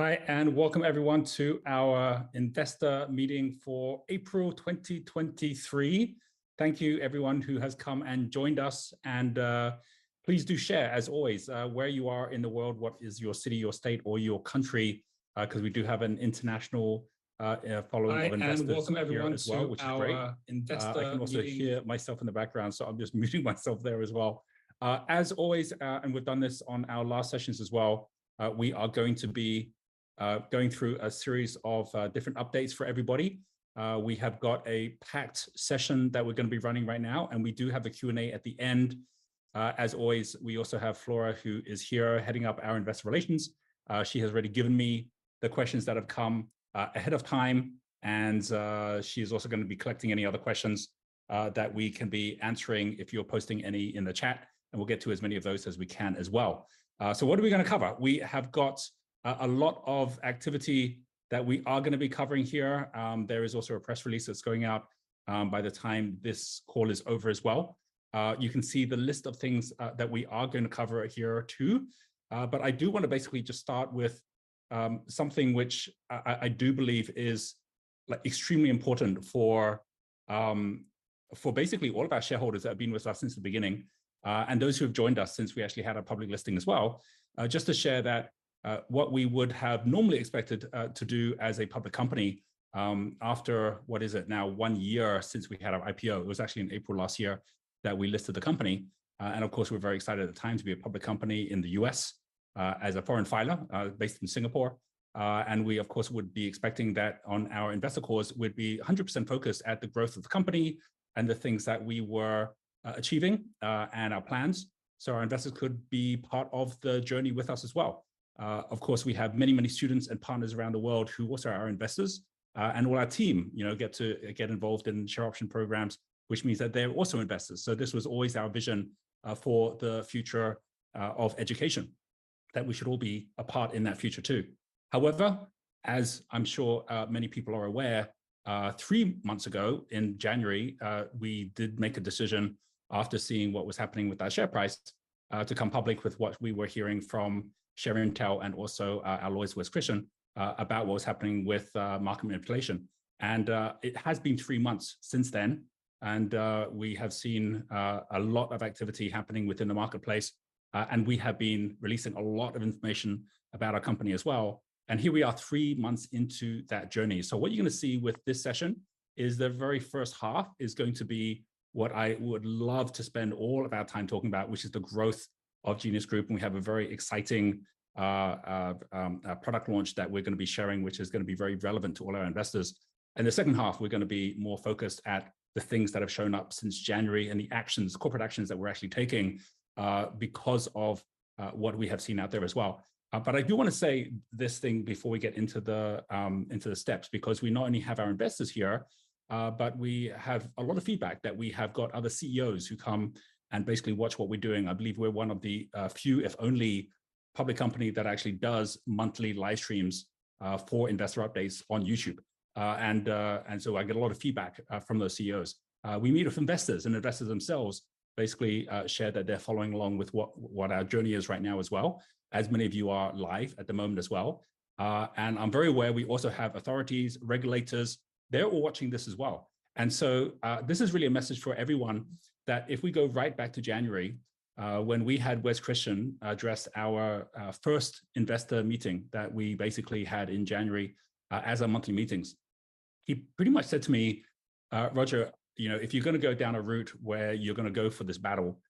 Hi, and welcome everyone to our investor meeting for April 2023. Thank you everyone who has come and joined us. Please do share as always, where you are in the world, what is your city, your state, or your country, 'cause we do have an international following of investors here as well, which is great. I can also hear myself in the background, so I'm just muting myself there as well. As always, we've done this on our last sessions as well, we are going to be going through a series of different updates for everybody. We have got a packed session that we're gonna be running right now. We do have a Q&A at the end. As always, we also have Flora, who is here heading up our investor relations. She has already given me the questions that have come ahead of time, and she is also gonna be collecting any other questions that we can be answering if you're posting any in the chat, and we'll get to as many of those as we can as well. What are we gonna cover? We have got a lot of activity that we are gonna be covering here. There is also a press release that's going out by the time this call is over as well. You can see the list of things that we are gonna cover here too. I do wanna basically just start with something which I, I do believe is, like, extremely important for basically all of our shareholders that have been with us since the beginning, and those who have joined us since we actually had our public listing as well. Just to share that what we would have normally expected to do as a public company, after, what is it now, 1 year since we had our IPO. It was actually in April last year that we listed the company, and of course we were very excited at the time to be a public company in the U.S., as a foreign filer, based in Singapore. We of course would be expecting that on our investor calls we'd be 100% focused at the growth of the company and the things that we were achieving and our plans, so our investors could be part of the journey with us as well. Of course, we have many, many students and partners around the world who also are our investors. All our team, you know, get to get involved in share option programs, which means that they're also investors. This was always our vision for the future of education, that we should all be a part in that future too. However, as I'm sure, many people are aware, 3 months ago in January, we did make a decision after seeing what was happening with our share price, to come public with what we were hearing from ShareIntel and also, our lawyers Wes Christian, about what was happening with market manipulation. It has been 3 months since then, we have seen a lot of activity happening within the marketplace. We have been releasing a lot of information about our company as well. Here we are 3 months into that journey. What you're gonna see with this session is the very first half is going to be what I would love to spend all of our time talking about, which is the growth of Genius Group, and we have a very exciting product launch that we're gonna be sharing, which is gonna be very relevant to all our investors. In the second half, we're gonna be more focused at the things that have shown up since January and the actions, corporate actions that we're actually taking because of what we have seen out there as well. I do wanna say this thing before we get into the steps, because we not only have our investors here, but we have a lot of feedback that we have got other CEOs who come and basically watch what we're doing. I believe we're one of the few, if only, public company that actually does monthly live streams for investor updates on YouTube. I get a lot of feedback from those CEOs. We meet with investors, and investors themselves basically share that they're following along with what our journey is right now as well, as many of you are live at the moment as well. I'm very aware we also have authorities, regulators, they're all watching this as well. This is really a message for everyone that if we go right back to January, when we had Wes Christian address our first investor meeting that we basically had in January, as our monthly meetings, he pretty much said to me, "Roger, you know, if you're gonna go down a route where you're gonna go for this battle,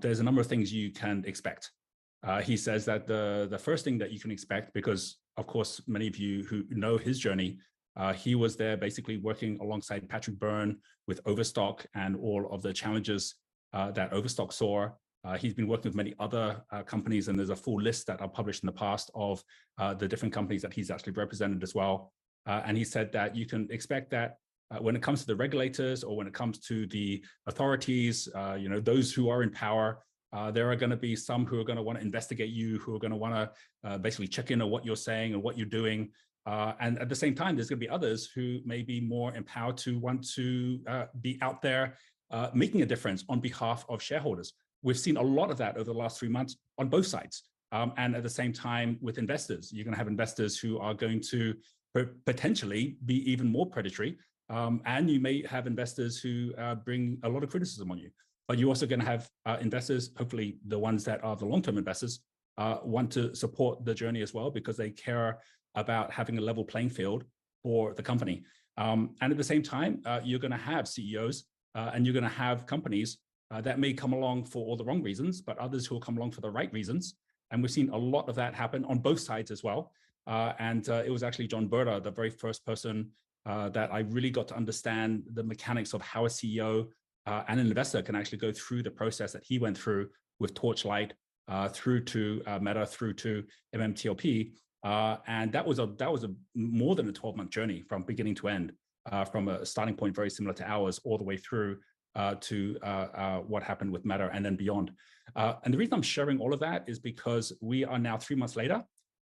there's a number of things you can expect." He says that the first thing that you can expect, because, of course, many of you who know his journey, he was there basically working alongside Patrick Byrne with Overstock and all of the challenges that Overstock saw. He's been working with many other companies, and there's a full list that I've published in the past of the different companies that he's actually represented as well. He said that you can expect that, when it comes to the regulators or when it comes to the authorities, you know, those who are in power, there are gonna be some who are gonna wanna investigate you, who are gonna wanna, basically check in on what you're saying and what you're doing. At the same time, there's gonna be others who may be more empowered to want to, be out there, making a difference on behalf of shareholders. We've seen a lot of that over the last three months on both sides. At the same time, with investors, you're gonna have investors who are going to potentially be even more predatory, and you may have investors who, bring a lot of criticism on you. You're also gonna have investors, hopefully the ones that are the long-term investors, want to support the journey as well because they care about having a level playing field for the company. At the same time, you're gonna have CEOs, and you're gonna have companies, that may come along for all the wrong reasons, but others who will come along for the right reasons, and we've seen a lot of that happen on both sides as well. It was actually John Brda, the very first person, that I really got to understand the mechanics of how a CEO, and an investor can actually go through the process that he went through with Torchlight, through to Meta, through to MMTLP. That was a, that was a more than a 12-month journey from beginning to end, from a starting point very similar to ours all the way through, to what happened with Meta and then beyond. The reason I'm sharing all of that is because we are now 3 months later,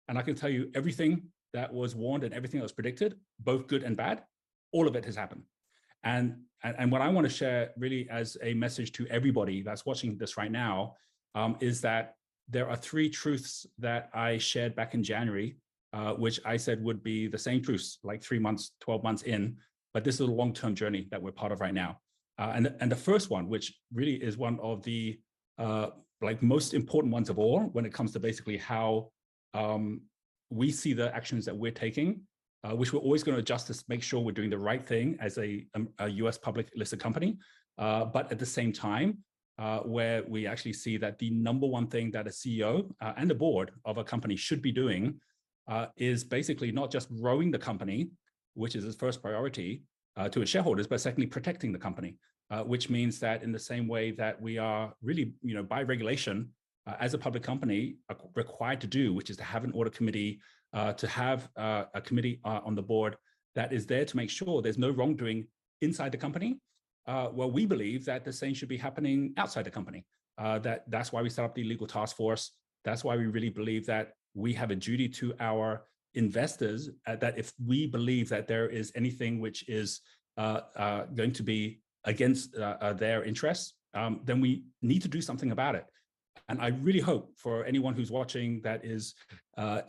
and I can tell you everything that was warned and everything that was predicted, both good and bad, all of it has happened. What I want to share really as a message to everybody that's watching this right now, is that there are 3 truths that I shared back in January, which I said would be the same truths like 3 months, 12 months in, but this is a long-term journey that we're part of right now. The first one, which really is one of the like most important ones of all when it comes to basically how we see the actions that we're taking, which we're always gonna adjust to make sure we're doing the right thing as a U.S. public listed company. At the same time, where we actually see that the number one thing that a CEO and a board of a company should be doing, is basically not just growing the company, which is its first priority to its shareholders, but secondly, protecting the company. Which means that in the same way that we are really, you know, by regulation, as a public company are required to do, which is to have an audit committee, to have a committee on the board that is there to make sure there's no wrongdoing inside the company. Well, we believe that the same should be happening outside the company. That's why we set up the legal task force, that's why we really believe that we have a duty to our investors, that if we believe that there is anything which is going to be against their interests, then we need to do something about it. I really hope for anyone who's watching that is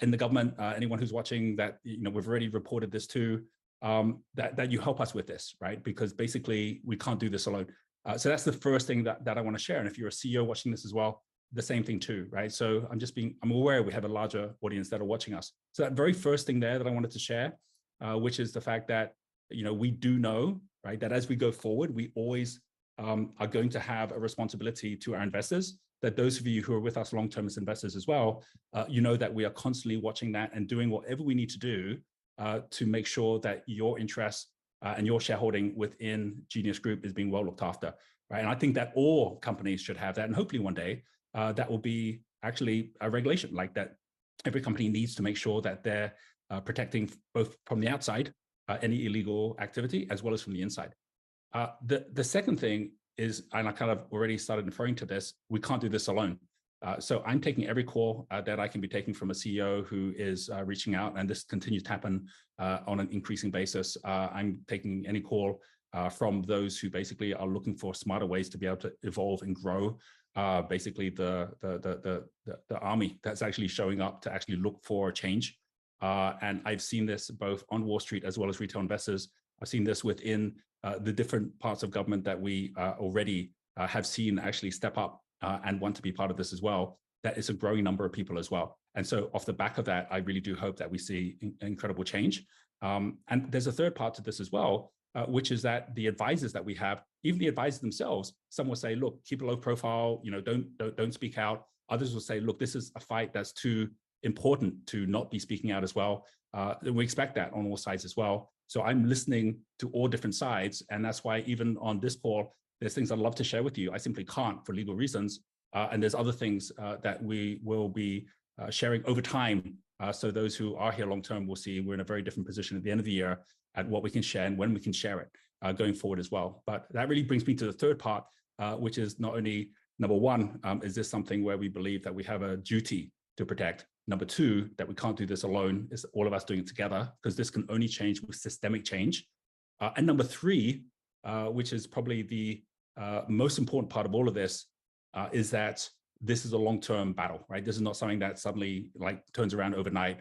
in the government, anyone who's watching that, you know, we've already reported this to, that you help us with this, right? Because basically, we can't do this alone. That's the first thing that I wanna share. If you're a CEO watching this as well, the same thing too, right? I'm aware we have a larger audience that are watching us. That very first thing there that I wanted to share, which is the fact that, you know, we do know, right, that as we go forward, we always are going to have a responsibility to our investors. That those of you who are with us long-term as investors as well, you know that we are constantly watching that and doing whatever we need to do, to make sure that your interest, and your shareholding within Genius Group is being well looked after, right? I think that all companies should have that, and hopefully one day, that will be actually a regulation like that every company needs to make sure that they're protecting both from the outside, any illegal activity as well as from the inside. The second thing is, I kind of already started referring to this, we can't do this alone. I'm taking every call, that I can be taking from a CEO who is reaching out, and this continues to happen, on an increasing basis. I'm taking any call from those who basically are looking for smarter ways to be able to evolve and grow. Basically the army that's actually showing up to actually look for a change. I've seen this both on Wall Street as well as retail investors. I've seen this within the different parts of government that we already have seen actually step up and want to be part of this as well. That is a growing number of people as well. Off the back of that, I really do hope that we see incredible change. There's a third part to this as well, which is that the advisors that we have, even the advisors themselves, some will say, "Look, keep a low profile. You know, don't speak out." Others will say, "Look, this is a fight that's too important to not be speaking out as well." We expect that on all sides as well. I'm listening to all different sides, and that's why even on this call, there's things I'd love to share with you, I simply can't for legal reasons. There's other things that we will be sharing over time. Those who are here long term will see we're in a very different position at the end of the year at what we can share and when we can share it, going forward as well. That really brings me to the third part, which is not only number 1, is this something where we believe that we have a duty to protect? Number two, that we can't do this alone. It's all of us doing it together, 'cause this can only change with systemic change. Number three, which is probably the most important part of all of this, is that this is a long-term battle, right? This is not something that suddenly, like, turns around overnight.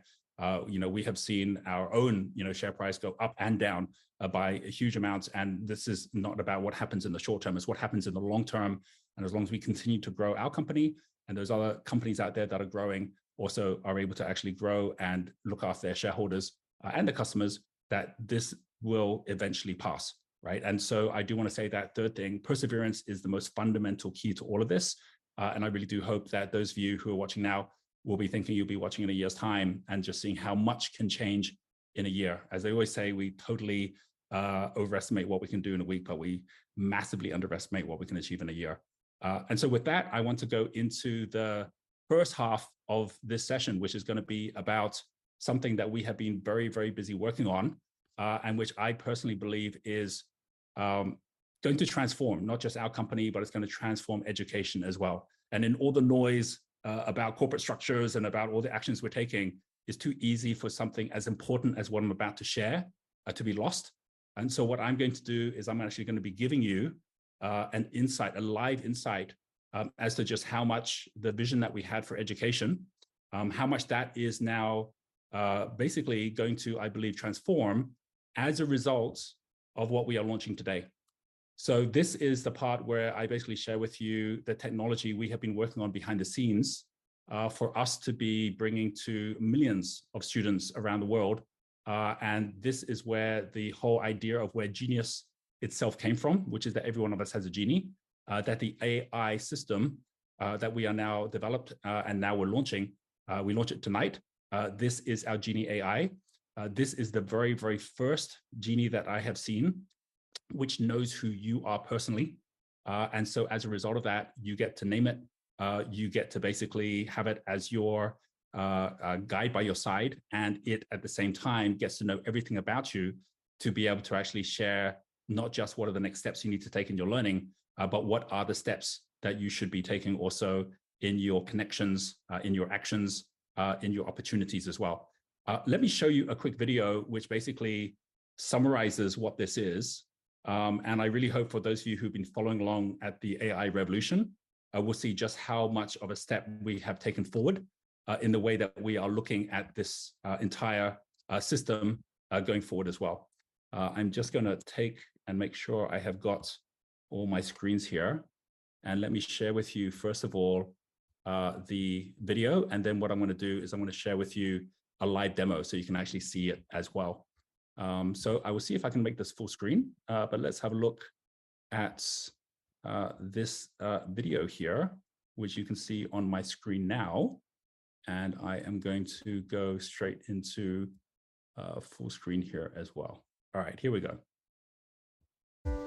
You know, we have seen our own, you know, share price go up and down by huge amounts, and this is not about what happens in the short term, it's what happens in the long term. As long as we continue to grow our company and those other companies out there that are growing also are able to actually grow and look after their shareholders, and the customers, that this will eventually pass, right? I do wanna say that third thing, perseverance is the most fundamental key to all of this. I really do hope that those of you who are watching now will be thinking you'll be watching in a year's time and just seeing how much can change in a year. As I always say, we totally overestimate what we can do in a week, but we massively underestimate what we can achieve in a year. With that, I want to go into the first half of this session, which is gonna be about something that we have been very, very busy working on, and which I personally believe is going to transform not just our company, but it's gonna transform education as well. In all the noise about corporate structures and about all the actions we're taking, it's too easy for something as important as what I'm about to share to be lost. What I'm going to do is I'm actually gonna be giving you an insight, a live insight, as to just how much the vision that we had for education, how much that is now basically going to, I believe, transform as a result of what we are launching today. This is the part where I basically share with you the technology we have been working on behind the scenes for us to be bringing to millions of students around the world. This is where the whole idea of where Genius itself came from, which is that every one of us has a genie. That the AI system that we are now developed, now we're launching, we launch it tonight. This is our Genie AI. This is the very, very first genie that I have seen which knows who you are personally. As a result of that, you get to name it, you get to basically have it as your guide by your side, and it, at the same time, gets to know everything about you to be able to actually share not just what are the next steps you need to take in your learning, but what are the steps that you should be taking also in your connections, in your actions, in your opportunities as well. Let me show you a quick video which basically summarizes what this is. I really hope for those of you who've been following along at the AI revolution will see just how much of a step we have taken forward in the way that we are looking at this entire system going forward as well. I'm just gonna take and make sure I have got all my screens here, and let me share with you, first of all, the video, and then what I'm gonna do is I'm gonna share with you a live demo so you can actually see it as well. I will see if I can make this full screen. Let's have a look at this video here, which you can see on my screen now, and I am going to go straight into full screen here as well. All right, here we go.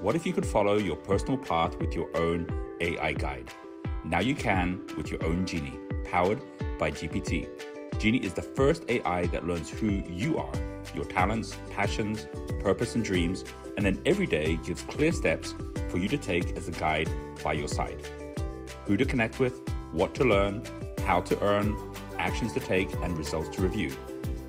What if you could follow your personal path with your own AI guide? Now you can with your own Genie, powered by GPT. Genie is the first AI that learns who you are, your talents, passions, purpose, and dreams, and then every day gives clear steps for you to take as a guide by your side. Who to connect with, what to learn, how to earn, actions to take, and results to review.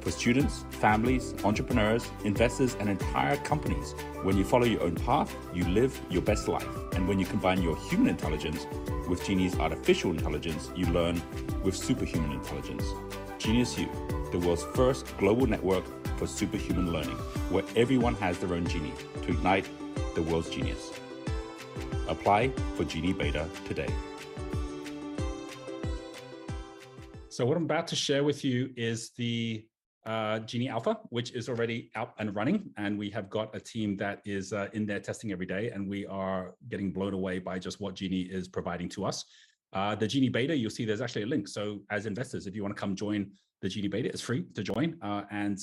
For students, families, entrepreneurs, investors, and entire companies, when you follow your own path, you live your best life. When you combine your human intelligence with Genie's artificial intelligence, you learn with superhuman intelligence. GeniusU, the world's first global network for superhuman learning, where everyone has their own Genie to ignite the world's genius. Apply for Genie Beta today. What I'm about to share with you is the Genie Alpha, which is already out and running, and we have got a team that is in there testing every day, and we are getting blown away by just what Genie is providing to us. The Genie Beta, you'll see there's actually a link. As investors, if you want to come join the Genie Beta, it's free to join, and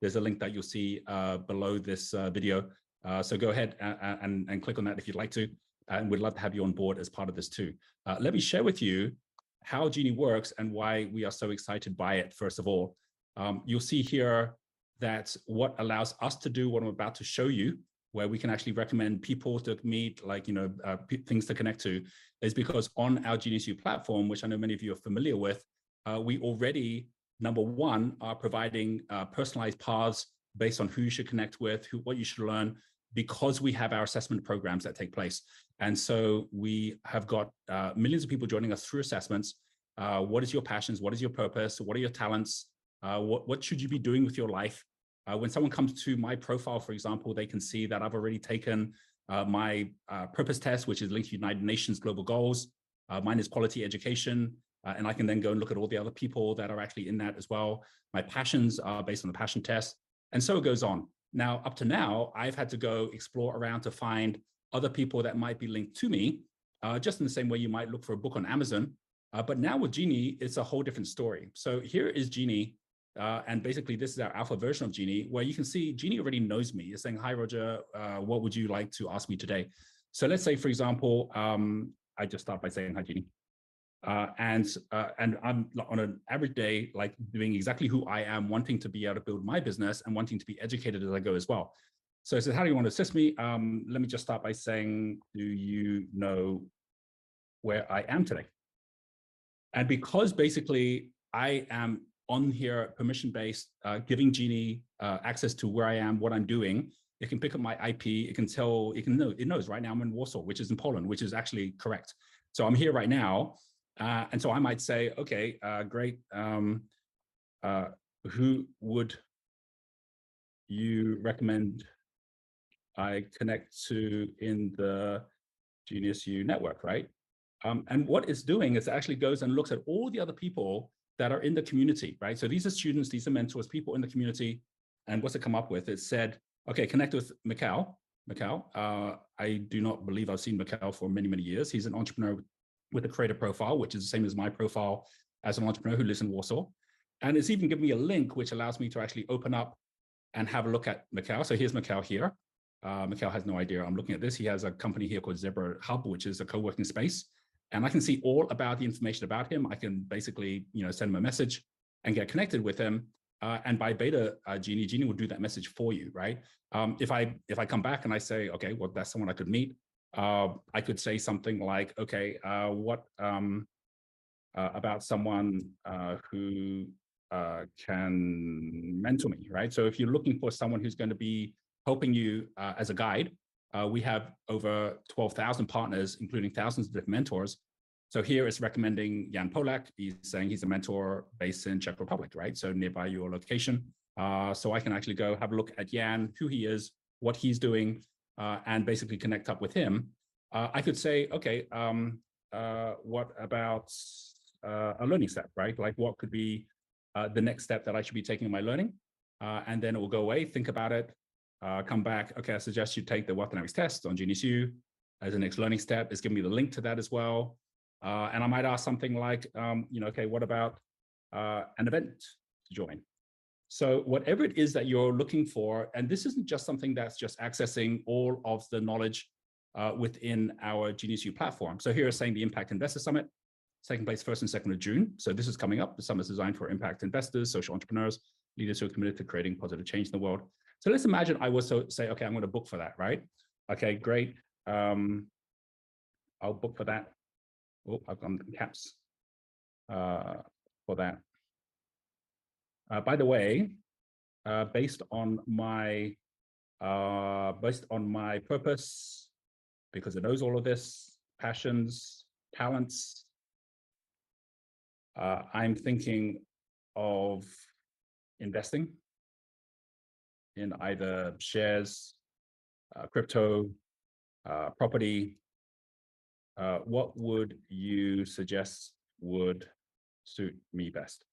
there's a link that you'll see below this video. Go ahead and click on that if you'd like to, and we'd love to have you on board as part of this too. Let me share with you how Genie works and why we are so excited by it, first of all. You'll see here that what allows us to do what I'm about to show you, where we can actually recommend people to meet, like, you know, things to connect to, is because on our GeniusU platform, which I know many of you are familiar with, we already, number one, are providing personalized paths based on who you should connect with, who, what you should learn, because we have our assessment programs that take place. We have got millions of people joining us through assessments. What is your passions? What is your purpose? What are your talents? What should you be doing with your life? When someone comes to my profile, for example, they can see that I've already taken my purpose test, which is linked to United Nations global goals. Mine is quality education, and I can then go and look at all the other people that are actually in that as well. My passions are based on The Passion Test. It goes on. Now, up to now, I've had to go explore around to find other people that might be linked to me, just in the same way you might look for a book on Amazon. Now with Genie, it's a whole different story. Here is Genie, and basically this is our alpha version of Genie, where you can see Genie already knows me. It's saying, "Hi Roger, what would you like to ask me today?" Let's say for example, I just start by saying, "Hi Genie." And I'm on an every day, like, being exactly who I am, wanting to be able to build my business and wanting to be educated as I go as well. I said, "How do you want to assist me?" Let me just start by saying, "Do you know where I am today?" Because basically I am on here permission-based, giving Genie access to where I am, what I'm doing, it can pick up my IP, it can tell, it can know, it knows right now I'm in Warsaw, which is in Poland, which is actually correct. I'm here right now, and so I might say, "Okay, great, who would you recommend I connect to in the GeniusU network?" right? What it's doing is it actually goes and looks at all the other people that are in the community, right? These are students, these are mentors, people in the community, and what's it come up with? It said, "Okay, connect with Michal." Michal, I do not believe I've seen Michal for many, many years. He's an entrepreneur with a creative profile, which is the same as my profile as an entrepreneur who lives in Warsaw. It's even given me a link which allows me to actually open up and have a look at Michal. Here's Michal here. Michal has no idea I'm looking at this. He has a company here called Zebra Hub, which is a co-working space. I can see all about the information about him. I can basically, you know, send him a message and get connected with him. By beta, Genie will do that message for you, right? If I come back and I say, "Okay, well, that's someone I could meet," I could say something like, "Okay, what about someone who can mentor me," right? If you're looking for someone who's gonna be helping you as a guide, we have over 12,000 partners, including thousands of mentors. Here it's recommending Jan Polak. He's saying he's a mentor based in Czech Republic, right? Nearby your location. I can actually go have a look at Jan, who he is, what he's doing, and basically connect up with him. I could say, "Okay, what about a learning step," right? Like what could be the next step that I should be taking in my learning? Then it will go away, think about it, come back. "Okay, I suggest you take the Wealth Dynamics test on GeniusU as a next learning step." It's given me the link to that as well. I might ask something like, you know, "Okay, what about an event to join?" Whatever it is that you're looking for, and this isn't just something that's just accessing all of the knowledge within our GeniusU platform. Here it's saying the Impact Investor Summit, taking place first and second of June. This is coming up. The summit's designed for impact investors, social entrepreneurs, leaders who are committed to creating positive change in the world. Let's imagine I was, "Okay, I'm gonna book for that," right? Okay, great, I'll book for that. Oh, I've gone to caps for that. By the way, based on my purpose, because it knows all of this, passions, talents, I'm thinking of investing in either shares, crypto, property. What would you suggest would suit me best?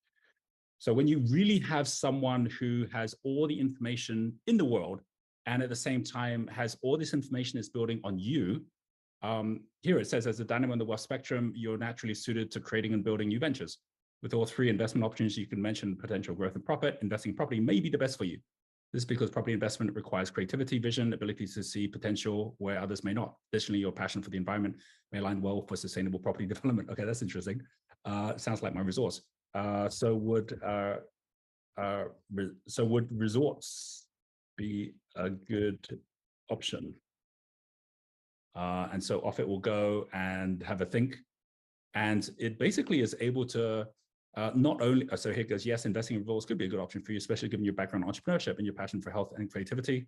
When you really have someone who has all the information in the world, and at the same time has all this information it's building on you, here it says, "As a dynamo on the wealth spectrum, you're naturally suited to creating and building new ventures. With all three investment options you can mention potential growth and profit, investing in property may be the best for you. This is because property investment requires creativity, vision, ability to see potential where others may not. Additionally, your passion for the environment may align well with sustainable property development." Okay, that's interesting. Sounds like my resource. Would resorts be a good option? Off it will go and have a think, and it basically is able to not only... Here it goes, "Yes, investing in resorts could be a good option for you, especially given your background in entrepreneurship and your passion for health and creativity.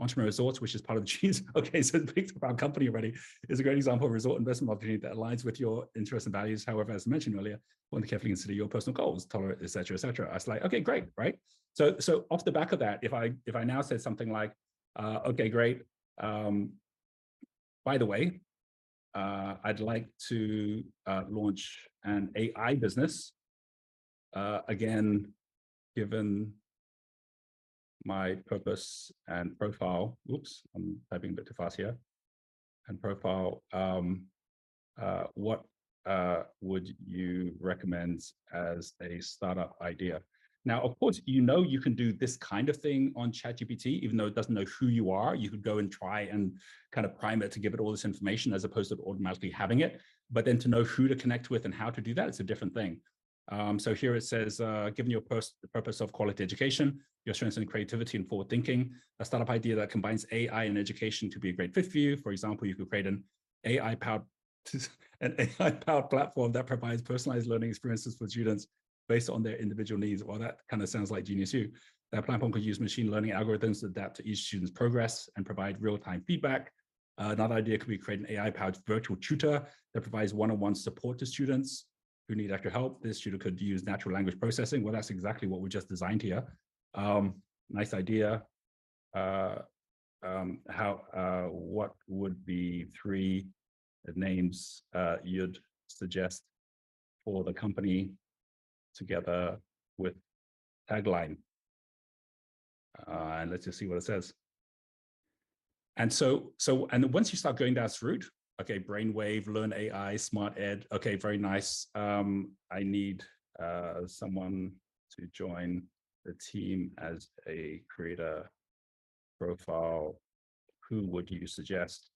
Entrepreneur Resorts," which is part of Genius, okay, it's picked our company already, "is a great example of a resort investment opportunity that aligns with your interests and values. However, as mentioned earlier, you want to carefully consider your personal goals, tolerance, et cetera, et cetera." I was like, "Okay, great." Right? Off the back of that, if I now said something like, "Okay, great. By the way, I'd like to launch an AI business. Again, given my purpose and profile..." Whoops, I'm typing a bit too fast here. "... and profile, what would you recommend as a startup idea?" Of course, you know you can do this kind of thing on ChatGPT, even though it doesn't know who you are. You could go and try and kind of prime it to give it all this information as opposed to automatically having it. To know who to connect with and how to do that, it's a different thing. Here it says, "Given your purpose of quality education, your strengths in creativity and forward-thinking, a startup idea that combines AI and education could be a great fit for you. For example, you could create an AI-powered platform that provides personalized learning experiences for students based on their individual needs." That kind of sounds like GeniusU. "That platform could use machine learning algorithms to adapt to each student's progress and provide real-time feedback. Another idea could be create an AI-powered virtual tutor that provides one-on-one support to students who need extra help. This tutor could use natural language processing." That's exactly what we just designed here. Nice idea. How, what would be three names you'd suggest for the company together with tagline? Let's just see what it says. Once you start going down this route. Okay, Brainwave, LearnAI, SmartEd. Okay, very nice. I need someone to join the team as a creator profile. Who would you suggest?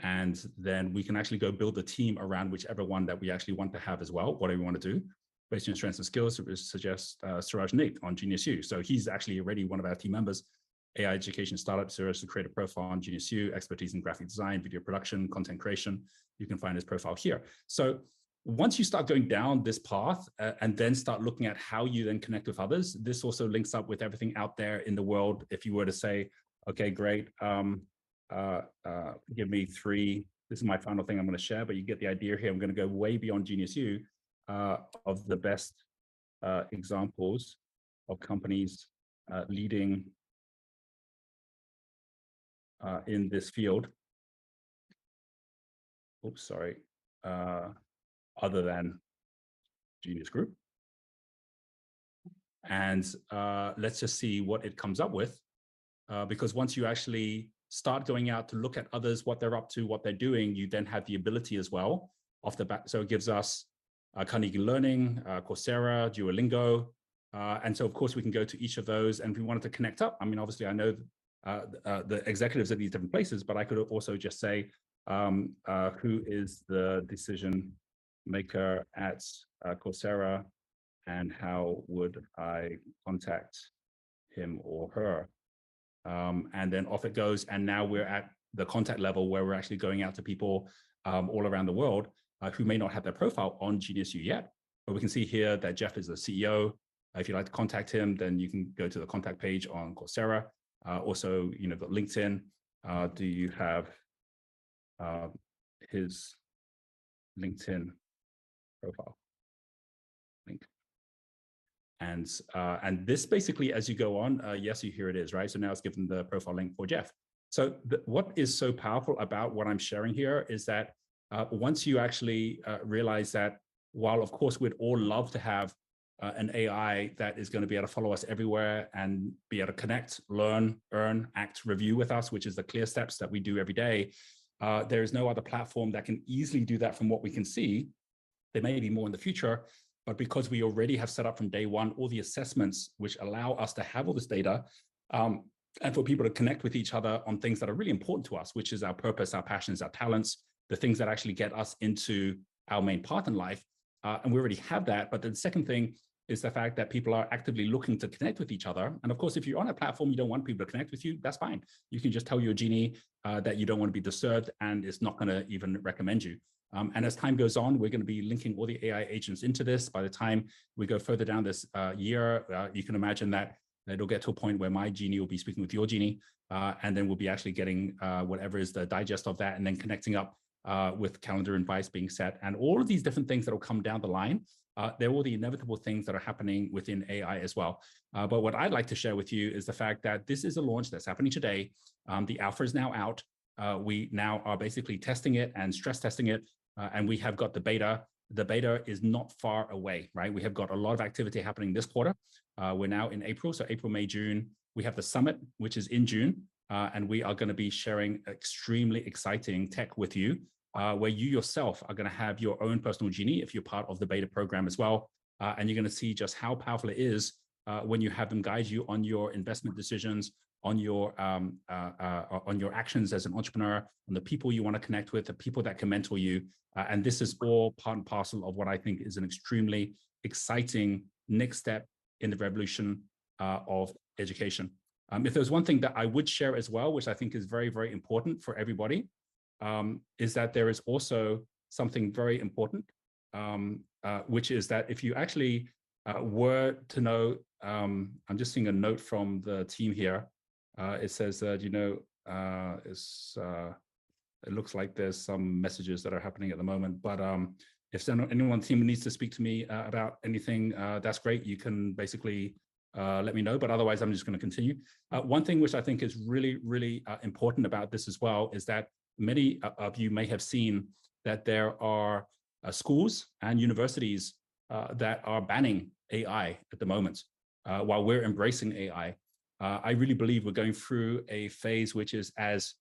Then we can actually go build a team around whichever one that we actually want to have as well, whatever you want to do. Based on your strengths and skills, it would suggest Suraj Naik on GeniusU. He's actually already one of our team members. AI education startup. Suraj's a creator profile on GeniusU. Expertise in graphic design, video production, content creation. You can find his profile here. Once you start going down this path, then start looking at how you then connect with others, this also links up with everything out there in the world. If you were to say, "Okay, great. is is my final thing I'm going to share, but you get the idea here. I'm going to go way beyond GeniusU, of the best examples of companies leading in this field. Oops, sorry. Other than Genius Group. Let's just see what it comes up with, because once you actually start going out to look at others, what they're up to, what they're doing, you then have the ability as well off the bat. So it gives us Carnegie Learning, Coursera, Duolingo Of course we can go to each of those, and if we wanted to connect up, I mean, obviously I know, the executives at these different places, but I could also just say, "Who is the decision-maker at Coursera, and how would I contact him or her?" Then off it goes, and now we're at the contact level where we're actually going out to people, all around the world, who may not have their profile on GeniusU yet. We can see here that Jeff is the CEO. If you'd like to contact him, then you can go to the contact page on Coursera. You know, they've got LinkedIn. Do you have his LinkedIn profile link? This basically as you go on, yes, here it is, right? Now it's given the profile link for Jeff. What is so powerful about what I'm sharing here is that, once you actually, realize that while of course we'd all love to have, an AI that is gonna be able to follow us everywhere and be able to connect, learn, earn, act, review with us, which is the CLEAR steps that we do every day, there is no other platform that can easily do that from what we can see. There may be more in the future, but because we already have set up from day one all the assessments which allow us to have all this data, and for people to connect with each other on things that are really important to us, which is our purpose, our passions, our talents, the things that actually get us into our main path in life. We already have that. The second thing is the fact that people are actively looking to connect with each other. Of course, if you're on a platform, you don't want people to connect with you, that's fine. You can just tell your Genie AI that you don't want to be disturbed, and it's not gonna even recommend you. As time goes on, we're gonna be linking all the AI agents into this. By the time we go further down this year, you can imagine that it'll get to a point where my Genie AI will be speaking with your Genie AI. Then we'll be actually getting whatever is the digest of that and then connecting up, with calendar invites being set and all of these different things that will come down the line. There are all the inevitable things that are happening within AI as well. What I'd like to share with you is the fact that this is a launch that's happening today. The alpha is now out. We now are basically testing it and stress testing it. We have got the beta. The beta is not far away, right? We have got a lot of activity happening this quarter. We're now in April. April, May, June. We have the summit, which is in June. We are gonna be sharing extremely exciting tech with you, where you yourself are gonna have your own personal Genie if you're part of the beta program as well. You're gonna see just how powerful it is, when you have them guide you on your investment decisions, on your, on your actions as an entrepreneur, on the people you want to connect with, the people that can mentor you. This is all part and parcel of what I think is an extremely exciting next step in the revolution, of education. If there's one thing that I would share as well, which I think is very, very important for everybody, is that there is also something very important, which is that if you actually were to know. I'm just seeing a note from the team here. It says that, you know, it's, it looks like there's some messages that are happening at the moment. If anyone on the team needs to speak to me about anything, that's great. You can basically let me know, but otherwise I'm just gonna continue. One thing which I think is really, really important about this as well is that many of you may have seen that there are schools and universities that are banning AI at the moment, while we're embracing AI. I really believe we're going through a phase which is as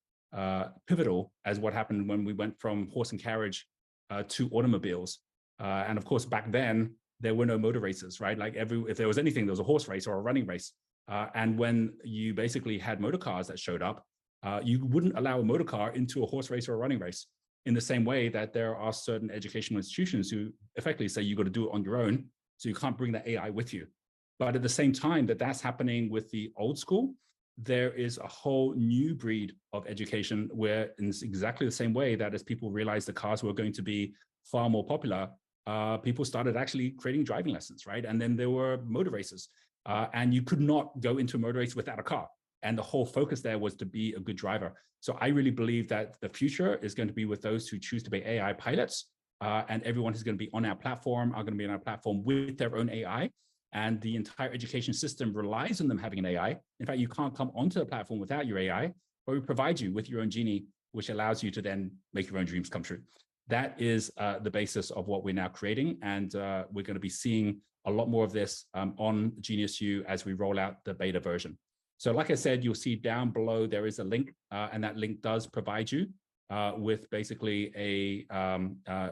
pivotal as what happened when we went from horse and carriage to automobiles. Of course, back then, there were no motor races, right? If there was anything, there was a horse race or a running race. When you basically had motor cars that showed up, you wouldn't allow a motor car into a horse race or a running race. In the same way that there are certain educational institutions who effectively say you've got to do it on your own, so you can't bring that AI with you. At the same time that that's happening with the old school, there is a whole new breed of education where in exactly the same way that as people realized the cars were going to be far more popular, people started actually creating driving lessons, right? Then there were motor races. You could not go into a motor race without a car. The whole focus there was to be a good driver. I really believe that the future is going to be with those who choose to be AI pilots. Everyone who's gonna be on our platform are gonna be on our platform with their own AI, and the entire education system relies on them having an AI. In fact, you can't come onto the platform without your AI, but we provide you with your own Genie, which allows you to then make your own dreams come true. That is the basis of what we're now creating, and we're gonna be seeing a lot more of this on GeniusU as we roll out the beta version. Like I said, you'll see down below there is a link, and that link does provide you with basically a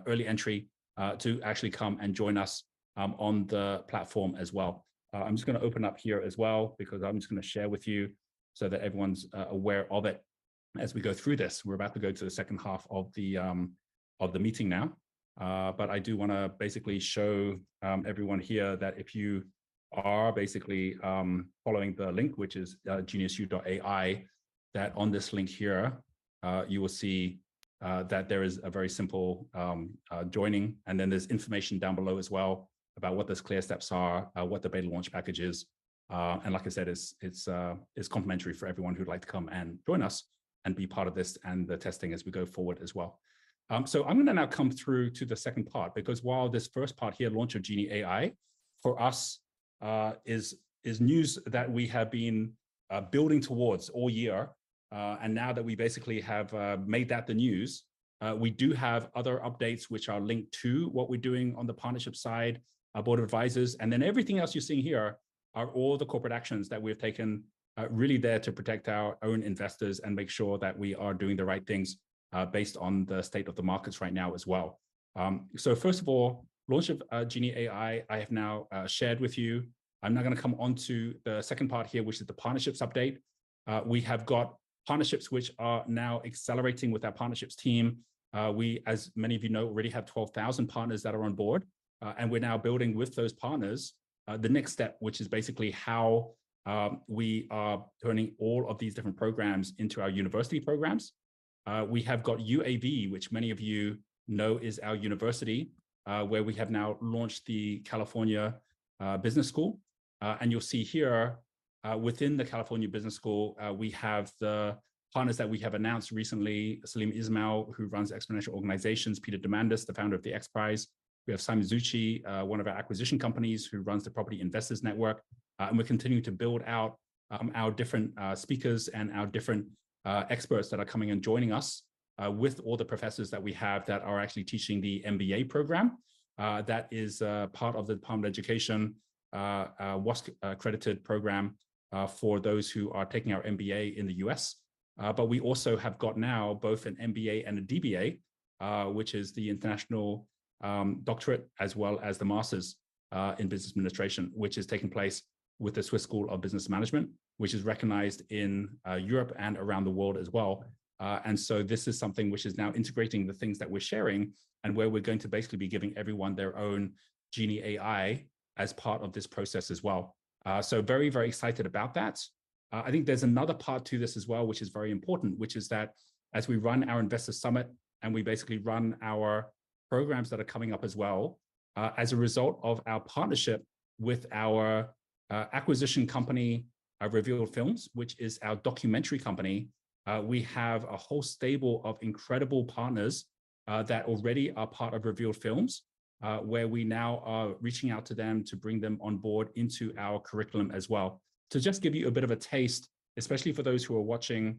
early entry to actually come and join us on the platform as well. I'm just gonna open up here as well because I'm just gonna share with you so that everyone's aware of it as we go through this. We're about to go to the second half of the of the meeting now. I do wanna basically show everyone here that if you are basically following the link, which is geniusu.ai, that on this link here, you will see that there is a very simple joining and then there's information down below as well about what those clear steps are, what the beta launch package is. Like I said, it's complimentary for everyone who'd like to come and join us and be part of this and the testing as we go forward as well. I'm gonna now come through to the second part because while this first part here, launch of Genie AI, for us, is news that we have been building towards all year, and now that we basically have made that the news, we do have other updates which are linked to what we're doing on the partnership side, our board of advisors, and then everything else you're seeing here are all the corporate actions that we have taken, really there to protect our own investors and make sure that we are doing the right things, based on the state of the markets right now as well. First of all, launch of Genie AI, I have now shared with you. I'm now gonna come on to the second part here, which is the partnerships update. We have got partnerships which are now accelerating with our partnerships team. We, as many of you know, already have 12,000 partners that are on board, and we're now building with those partners, the next step, which is basically how we are turning all of these different programs into our university programs. We have got UAV, which many of you know is our university, where we have now launched the California Business School. You'll see here, within the California Business School, we have the partners that we have announced recently, Salim Ismail, who runs Exponential Organizations, Peter Diamandis, the founder of the XPRIZE. We have Simon Zutshi, one of our acquisition companies, who runs the property investors network. We're continuing to build out our different speakers and our different experts that are coming and joining us with all the professors that we have that are actually teaching the MBA program. That is part of the Department of Education WASC accredited program for those who are taking our MBA in the U.S. We also have got now both an MBA and a DBA, which is the international doctorate, as well as the master's in Business Administration, which is taking place with the Swiss School of Business and Management, which is recognized in Europe and around the world as well. This is something which is now integrating the things that we're sharing and where we're going to basically be giving everyone their own Genie AI as part of this process as well. So very, very excited about that. I think there's another part to this as well, which is very important, which is that as we run our investor summit and we basically run our programs that are coming up as well, as a result of our partnership with our acquisition company, Revealed Films, which is our documentary company, we have a whole stable of incredible partners that already are part of Revealed Films, where we now are reaching out to them to bring them on board into our curriculum as well. To just give you a bit of a taste, especially for those who are watching,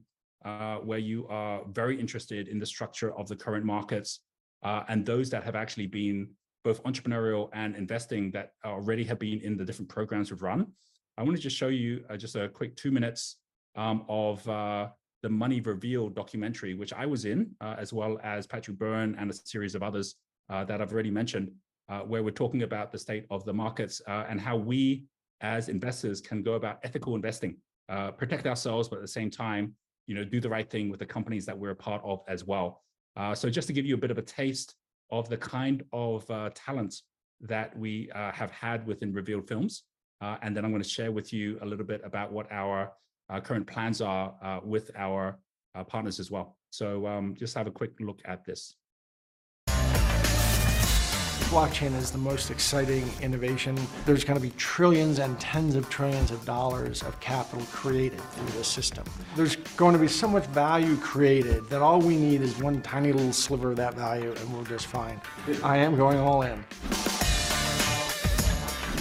where you are very interested in the structure of the current markets, and those that have actually been both entrepreneurial and investing that already have been in the different programs we've run, I wanna just show you just a quick 2 minutes of the Money Revealed documentary, which I was in, as well as Patrick Byrne and a series of others that I've already mentioned, where we're talking about the state of the markets, and how we as investors can go about ethical investing, protect ourselves, but at the same time, you know, do the right thing with the companies that we're a part of as well. Just to give you a bit of a taste of the kind of talent that we have had within Revealed Films, then I'm gonna share with you a little bit about what our current plans are with our partners as well. Just have a quick look at this. Blockchain is the most exciting innovation. There's gonna be trillions and tens of trillions of dollars of capital created through this system. There's going to be so much value created that all we need is one tiny little sliver of that value, we're just fine. I am going all in.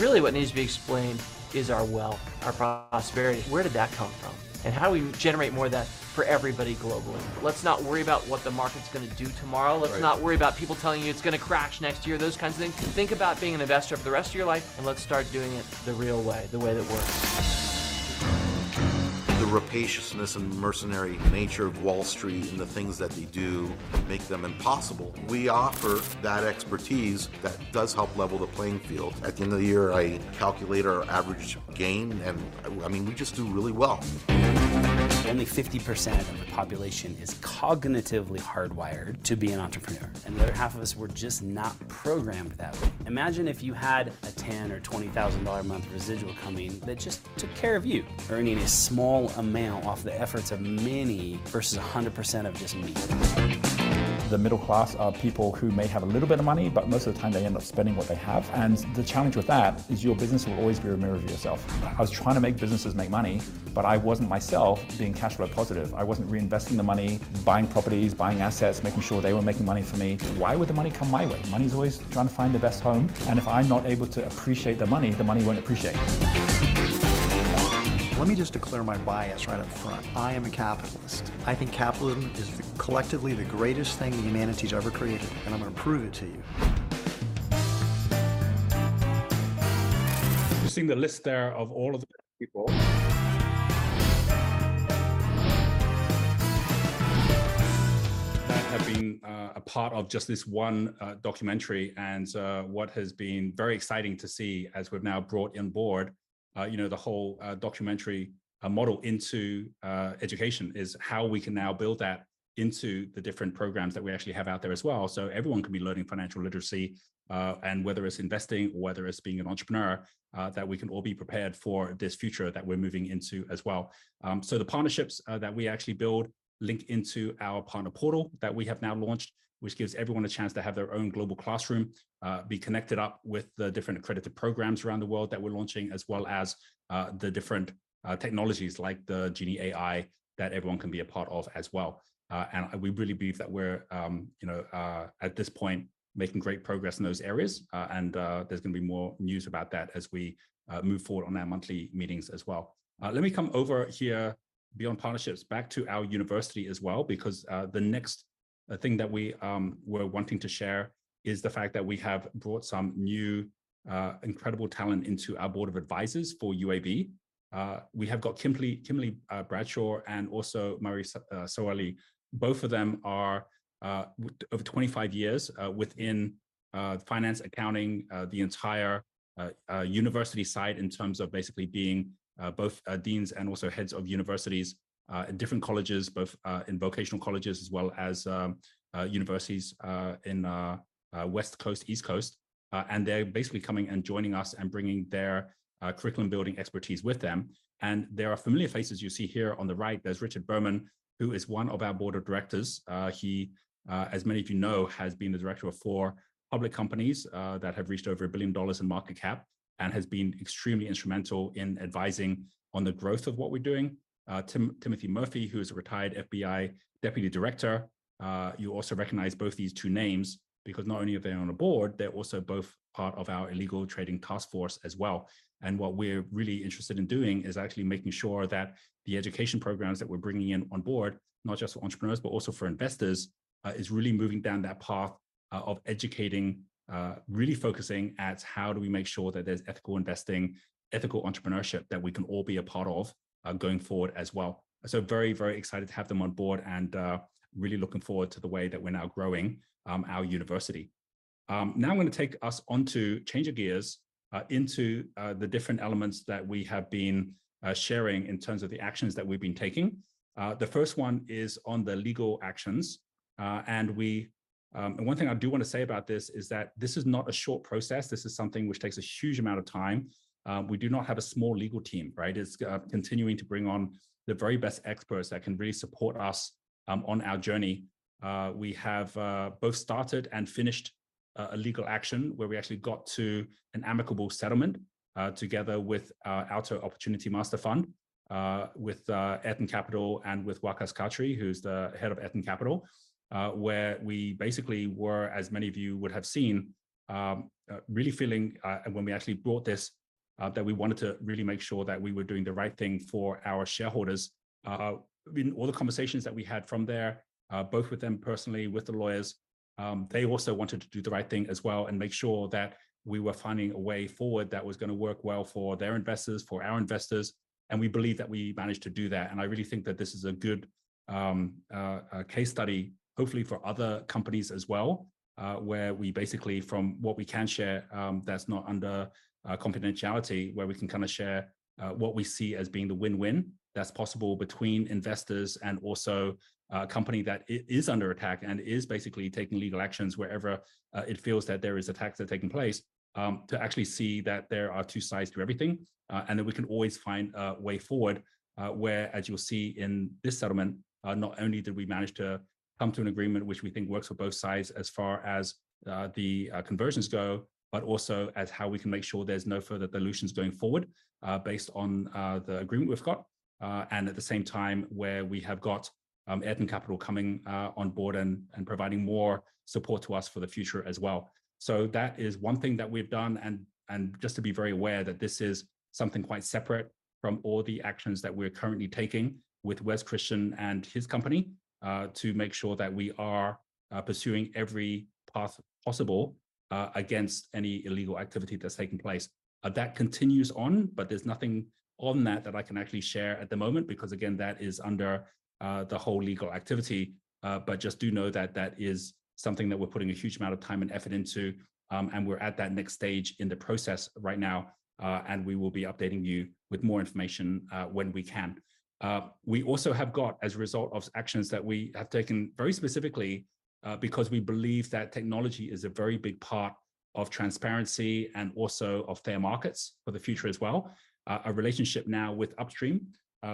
Really what needs to be explained is our wealth, our prosperity. Where did that come from? How do we generate more of that for everybody globally? Let's not worry about what the market's gonna do tomorrow. Right. Let's not worry about people telling you it's gonna crash next year, those kinds of things. Think about being an investor for the rest of your life, and let's start doing it the real way, the way that works. The rapaciousness and mercenary nature of Wall Street and the things that they do make them impossible. We offer that expertise that does help level the playing field. At the end of the year, I calculate our average gain, and, I mean, we just do really well. Only 50% of the population is cognitively hardwired to be an entrepreneur, the other half of us, we're just not programmed that way. Imagine if you had a $10 thousand or $20 thousand a month residual coming that just took care of you. Earning a small amount off the efforts of many versus 100% of just me. The middle class are people who may have a little bit of money, but most of the time they end up spending what they have, and the challenge with that is your business will always be a mirror of yourself. I was trying to make businesses make money, but I wasn't myself being cash flow positive. I wasn't reinvesting the money, buying properties, buying assets, making sure they were making money for me. Why would the money come my way? Money's always trying to find the best home, and if I'm not able to appreciate the money, the money won't appreciate me. Let me just declare my bias right up front. I am a capitalist. I think capitalism is collectively the greatest thing humanity's ever created, I'm gonna prove it to you. You've seen the list there of all of the people that have been a part of just this one documentary. What has been very exciting to see as we've now brought on board, you know, the whole documentary model into education is how we can now build that into the different programs that we actually have out there as well. Everyone can be learning financial literacy, and whether it's investing or whether it's being an entrepreneur, that we can all be prepared for this future that we're moving into as well. The partnerships that we actually build link into our partner portal that we have now launched, which gives everyone a chance to have their own global classroom, be connected up with the different accredited programs around the world that we're launching, as well as the different technologies like the Genie AI that everyone can be a part of as well. We really believe that we're, you know, at this point making great progress in those areas, and there's gonna be more news about that as we move forward on our monthly meetings as well. Let me come over here beyond partnerships back to our university as well because the next thing that we're wanting to share is the fact that we have brought some new incredible talent into our board of advisors for UAV. We have got Kimberly Bradshaw and also Marie S-Soali. Both of them are over 25 years within finance accounting, the entire university side in terms of basically being both deans and also heads of universities at different colleges, both in vocational colleges as well as universities in West Coast, East Coast. They're basically coming and joining us and bringing their curriculum-building expertise with them. There are familiar faces you see here on the right. There's Richard Berman, who is one of our board of directors. He, as many of you know, has been the director of four public companies that have reached over $1 billion in market cap and has been extremely instrumental in advising on the growth of what we're doing. Timothy Murphy, who is a retired FBI deputy director. You also recognize both these two names because not only are they on the board, they're also both part of our illegal trading task force as well. What we're really interested in doing is actually making sure that the education programs that we're bringing in on board, not just for entrepreneurs but also for investors, is really moving down that path, of educating, really focusing at how do we make sure that there's ethical investing, ethical entrepreneurship that we can all be a part of, going forward as well. Very, very excited to have them on board and really looking forward to the way that we're now growing our university. Now I'm gonna take us onto change of gears, into the different elements that we have been sharing in terms of the actions that we've been taking. The first one is on the legal actions. One thing I do wanna say about this is that this is not a short process. This is something which takes a huge amount of time. We do not have a small legal team, right? It's continuing to bring on the very best experts that can really support us on our journey. We have both started and finished a legal action where we actually got to an amicable settlement together with Alto Opportunity Master Fund, with Ethen Capital and with Waqas Khatri, who's the head of Ethen Capital, where we basically were, as many of you would have seen, really feeling when we actually brought this, that we wanted to really make sure that we were doing the right thing for our shareholders. I mean, all the conversations that we had from there, both with them personally, with the lawyers, they also wanted to do the right thing as well and make sure that we were finding a way forward that was gonna work well for their investors, for our investors, and we believe that we managed to do that. I really think that this is a good case study, hopefully for other companies as well, where we basically from what we can share, that's not under confidentiality, where we can kinda share what we see as being the win-win that's possible between investors and also a company that is under attack and is basically taking legal actions wherever it feels that there is attacks that are taking place, to actually see that there are two sides to everything, and that we can always find a way forward, where, as you'll see in this settlement, not only did we manage to come to an agreement which we think works for both sides as far as the conversions go, but also as how we can make sure there's no further dilutions going forward, based on the agreement we've got. At the same time, where we have got Ethen Capital coming on board and providing more support to us for the future as well. That is one thing that we've done and just to be very aware that this is something quite separate from all the actions that we're currently taking with Wes Christian and his company to make sure that we are pursuing every path possible against any illegal activity that's taking place. That continues on, but there's nothing on that that I can actually share at the moment because again, that is under the whole legal activity. Just do know that that is something that we're putting a huge amount of time and effort into, and we're at that next stage in the process right now, and we will be updating you with more information when we can. We also have got as a result of actions that we have taken very specifically, because we believe that technology is a very big part of transparency and also of fair markets for the future as well, a relationship now with Upstream,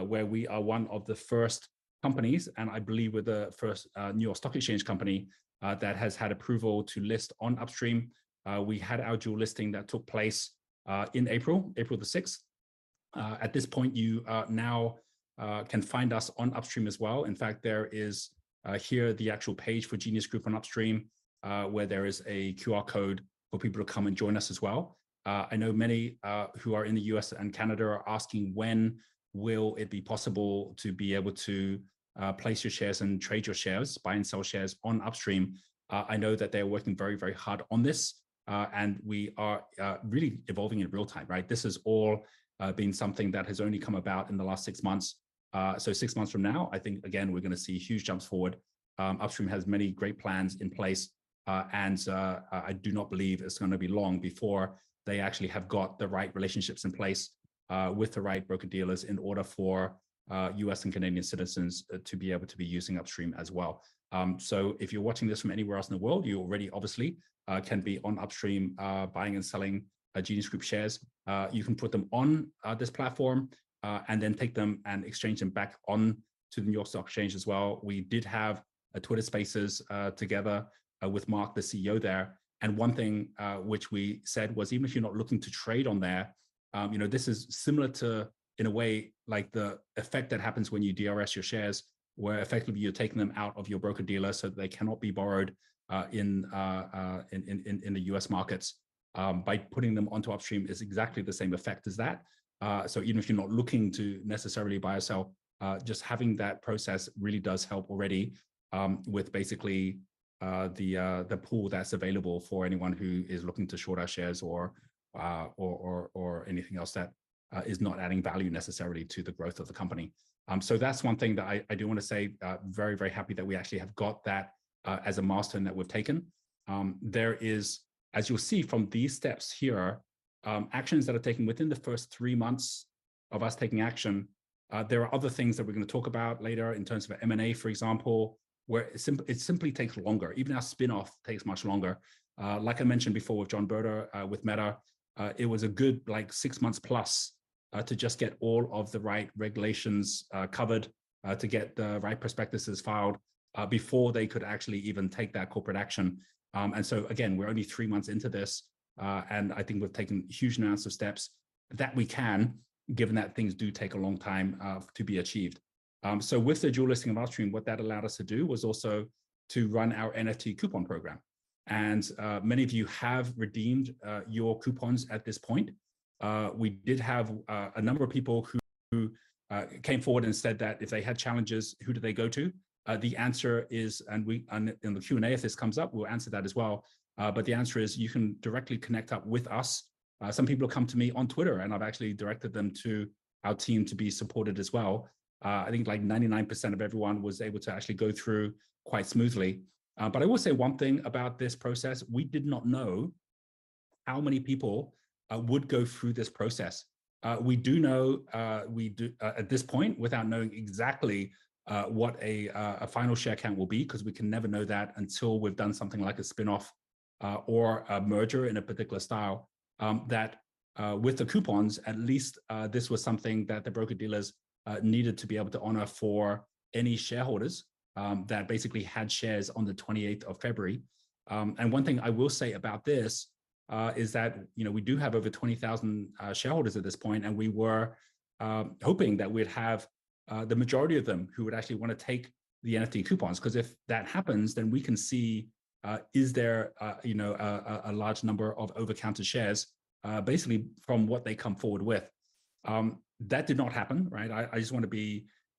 where we are one of the first companies, and I believe we're the first New York Stock Exchange company, that has had approval to list on Upstream. We had our dual listing that took place in April 6th. At this point, you now can find us on Upstream as well. In fact, there is here the actual page for Genius Group on Upstream, where there is a QR code for people to come and join us as well. I know many who are in the U.S. and Canada are asking when will it be possible to be able to place your shares and trade your shares, buy and sell shares on Upstream. I know that they are working very, very hard on this, and we are really evolving in real time, right? This has all been something that has only come about in the last 6 months. 6 months from now, I think again, we're gonna see huge jumps forward. Upstream has many great plans in place, and I do not believe it's gonna be long before they actually have got the right relationships in place, with the right broker-dealers in order for U.S. and Canadian citizens to be able to be using Upstream as well. If you're watching this from anywhere else in the world, you already obviously can be on Upstream, buying and selling Genius Group shares. You can put them on this platform, and then take them and exchange them back on to the New York Stock Exchange as well. We did have a Twitter Spaces together with Mark, the CEO there. One thing which we said was, even if you're not looking to trade on there, you know, this is similar to in a way, like the effect that happens when you DRS your shares, where effectively you're taking them out of your broker-dealer so that they cannot be borrowed in the U.S. markets. By putting them onto Upstream is exactly the same effect as that. Even if you're not looking to necessarily buy or sell, just having that process really does help already with basically the pool that's available for anyone who is looking to short our shares or anything else that is not adding value necessarily to the growth of the company. That's one thing that I do wanna say, very, very happy that we actually have got that as a milestone that we've taken. There is, as you'll see from these steps here, actions that are taken within the first 3 months of us taking action. There are other things that we're gonna talk about later in terms of M&A, for example, where it simply takes longer. Even our spin-off takes much longer. Like I mentioned before with John Brda, with Meta, it was a good like 6 months plus to just get all of the right regulations covered, to get the right prospectuses filed, before they could actually even take that corporate action. Again, we're only three months into this, I think we've taken huge amounts of steps that we can, given that things do take a long time, to be achieved. With the dual listing of Upstream, what that allowed us to do was also to run our NFT coupon program. Many of you have redeemed your coupons at this point. We did have a number of people who came forward and said that if they had challenges, who do they go to? The answer is, in the Q&A, if this comes up, we'll answer that as well. The answer is you can directly connect up with us. Some people have come to me on Twitter, I've actually directed them to our team to be supported as well. I think like 99% of everyone was able to actually go through quite smoothly. I will say one thing about this process, we did not know how many people would go through this process? We do know, at this point, without knowing exactly what a final share count will be, because we can never know that until we've done something like a spin-off or a merger in a particular style, that with the coupons, at least, this was something that the broker-dealers needed to be able to honor for any shareholders that basically had shares on the 28th of February. One thing I will say about this, is that, you know, we do have over 20,000 shareholders at this point, and we were hoping that we'd have the majority of them who would actually wanna take the NFT coupons. If that happens, then we can see, is there, you know, a large number of over-counted shares, basically from what they come forward with. That did not happen, right?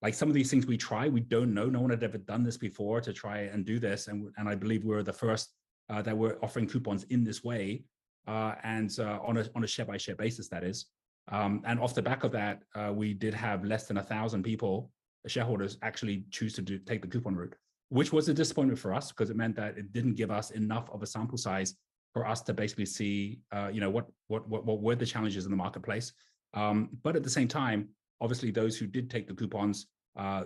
Like, some of these things we try, we don't know. No one had ever done this before to try and do this, and I believe we're the first that we're offering coupons in this way, on a share-by-share basis, that is. Off the back of that, we did have less than 1,000 people, shareholders, actually choose to take the coupon route, which was a disappointment for us, 'cause it meant that it didn't give us enough of a sample size for us to basically see, you know, what were the challenges in the marketplace. At the same time, obviously those who did take the coupons,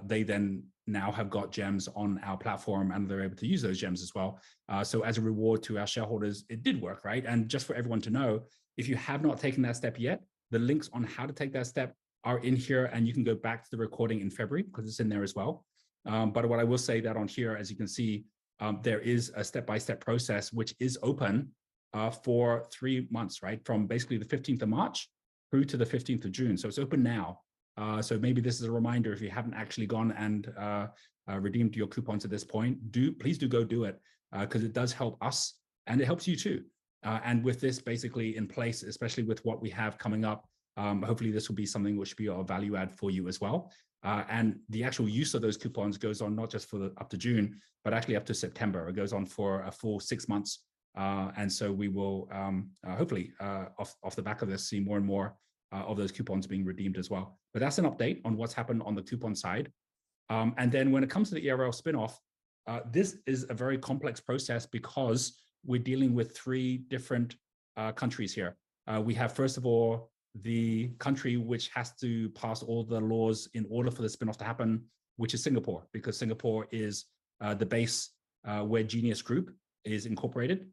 they then now have got iGEMs on our platform, and they're able to use those iGEMs as well. As a reward to our shareholders, it did work, right? Just for everyone to know, if you have not taken that step yet, the links on how to take that step are in here, and you can go back to the recording in February, 'cause it's in there as well. What I will say that on here, as you can see, there is a step-by-step process which is open for three months, right? From basically the 15th of March through to the 15th of June. It's open now. Maybe this is a reminder if you haven't actually gone and redeemed your coupons at this point. Please do go do it, 'cause it does help us and it helps you too. With this basically in place, especially with what we have coming up, hopefully this will be something which will be a value add for you as well. The actual use of those coupons goes on not just for the up to June, but actually up to September. It goes on for a full six months. We will hopefully, off the back of this, see more and more of those coupons being redeemed as well. That's an update on what's happened on the coupon side. When it comes to the ERL spin-off, this is a very complex process because we're dealing with three different countries here. We have, first of all, the country which has to pass all the laws in order for the spin-off to happen, which is Singapore, because Singapore is the base where Genius Group is incorporated.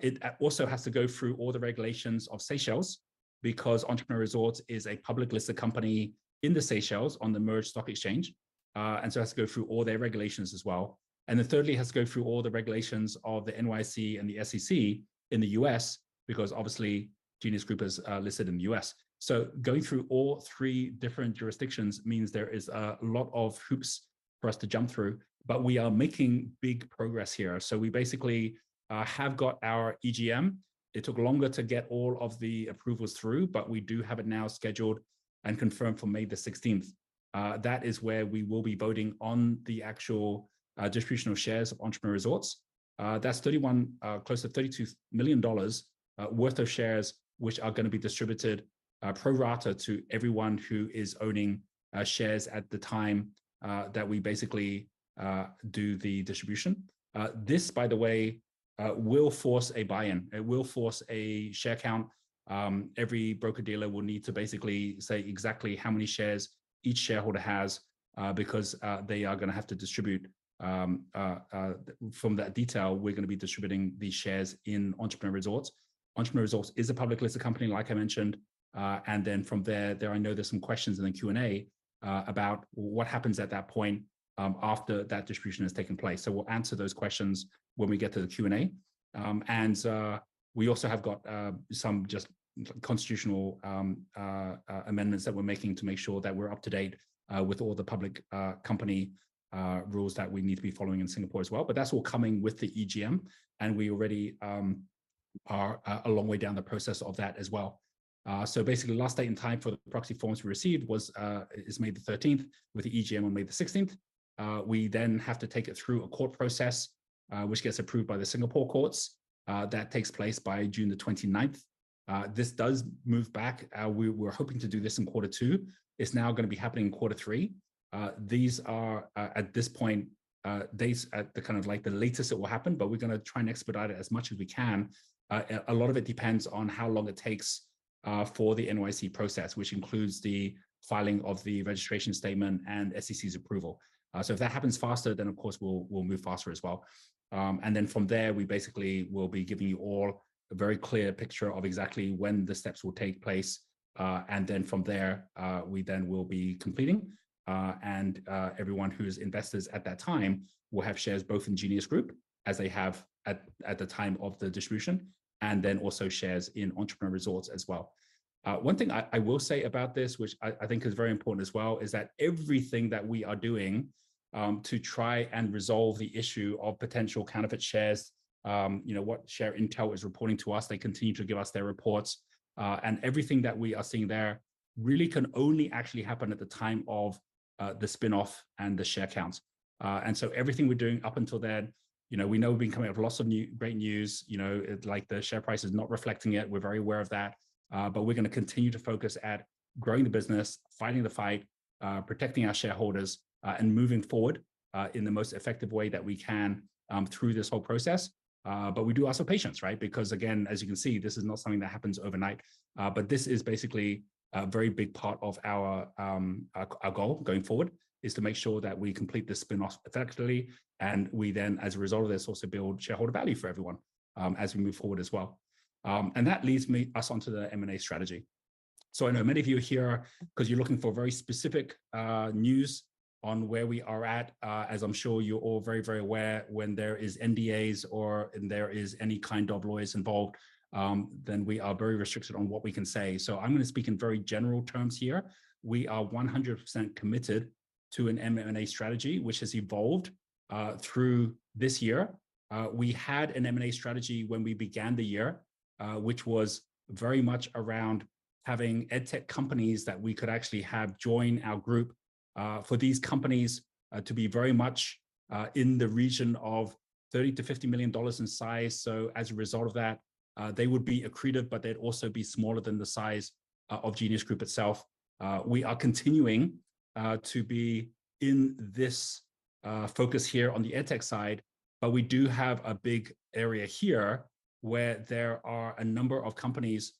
It also has to go through all the regulations of Seychelles, because Entrepreneur Resorts is a public-listed company in the Seychelles on the MERJ Exchange. It has to go through all their regulations as well. Thirdly, it has to go through all the regulations of the NYSE and the SEC in the US, because obviously Genius Group is listed in the US. Going through all three different jurisdictions means there is a lot of hoops for us to jump through. We are making big progress here. We basically have got our EGM. It took longer to get all of the approvals through, but we do have it now scheduled and confirmed for May 16th. That is where we will be voting on the actual distribution of shares of Entrepreneur Resorts. That's 31, close to $32 million worth of shares, which are gonna be distributed pro rata to everyone who is owning shares at the time that we basically do the distribution. This, by the way, will force a buy-in. It will force a share count. Every broker-dealer will need to basically say exactly how many shares each shareholder has, because they are gonna have to distribute from that detail, we're gonna be distributing these shares in Entrepreneur Resorts. Entrepreneur Resorts is a public-listed company, like I mentioned. Then from there, I know there's some questions in the Q&A about what happens at that point after that distribution has taken place. We'll answer those questions when we get to the Q&A. We also have got some just constitutional amendments that we're making to make sure that we're up to date with all the public company rules that we need to be following in Singapore as well. That's all coming with the EGM, and we already are a long way down the process of that as well. Basically last day and time for the proxy forms we received was May 13th, with the EGM on May 16th. We have to take it through a court process, which gets approved by the Singapore courts. That takes place by June 29th. This does move back. We were hoping to do this in quarter two. It's now gonna be happening in quarter three. These are at this point, these at the kind of like the latest it will happen, but we're gonna try and expedite it as much as we can. A lot of it depends on how long it takes for the NYSE process, which includes the filing of the registration statement and SEC's approval. If that happens faster, then of course we'll move faster as well. From there, we basically will be giving you all a very clear picture of exactly when the steps will take place. From there, we then will be completing. Everyone who's investors at that time will have shares both in Genius Group, as they have at the time of the distribution, and also shares in Entrepreneur Resorts as well. One thing I will say about this, which I think is very important as well, is that everything that we are doing, to try and resolve the issue of potential counterfeit shares, you know, what ShareIntel is reporting to us, they continue to give us their reports, and everything that we are seeing there really can only actually happen at the time of the spin-off and the share counts. Everything we're doing up until then, you know, we know we've been coming up with lots of new great news, you know, like the share price is not reflecting it, we're very aware of that. We're gonna continue to focus Growing the business, fighting the fight, protecting our shareholders, and moving forward in the most effective way that we can through this whole process. We do ask for patience, right? Because again, as you can see, this is not something that happens overnight. This is basically a very big part of our goal going forward is to make sure that we complete this spinoff effectively and we then as a result of this also build shareholder value for everyone as we move forward as well. That leads us onto the M&A strategy. I know many of you are here 'cause you're looking for very specific news on where we are at. As I'm sure you're all very, very aware when there is NDAs or there is any kind of lawyers involved, then we are very restricted on what we can say. I'm gonna speak in very general terms here. We are 100% committed to an M&A strategy which has evolved through this year. We had an M&A strategy when we began the year, which was very much around having Edtech companies that we could actually have join our group, for these companies to be very much in the region of $30 million-$50 million in size. As a result of that, they would be accretive, but they'd also be smaller than the size of Genius Group itself. We are continuing to be in this focus here on the Edtech side. We do have a big area here where there are a number of companies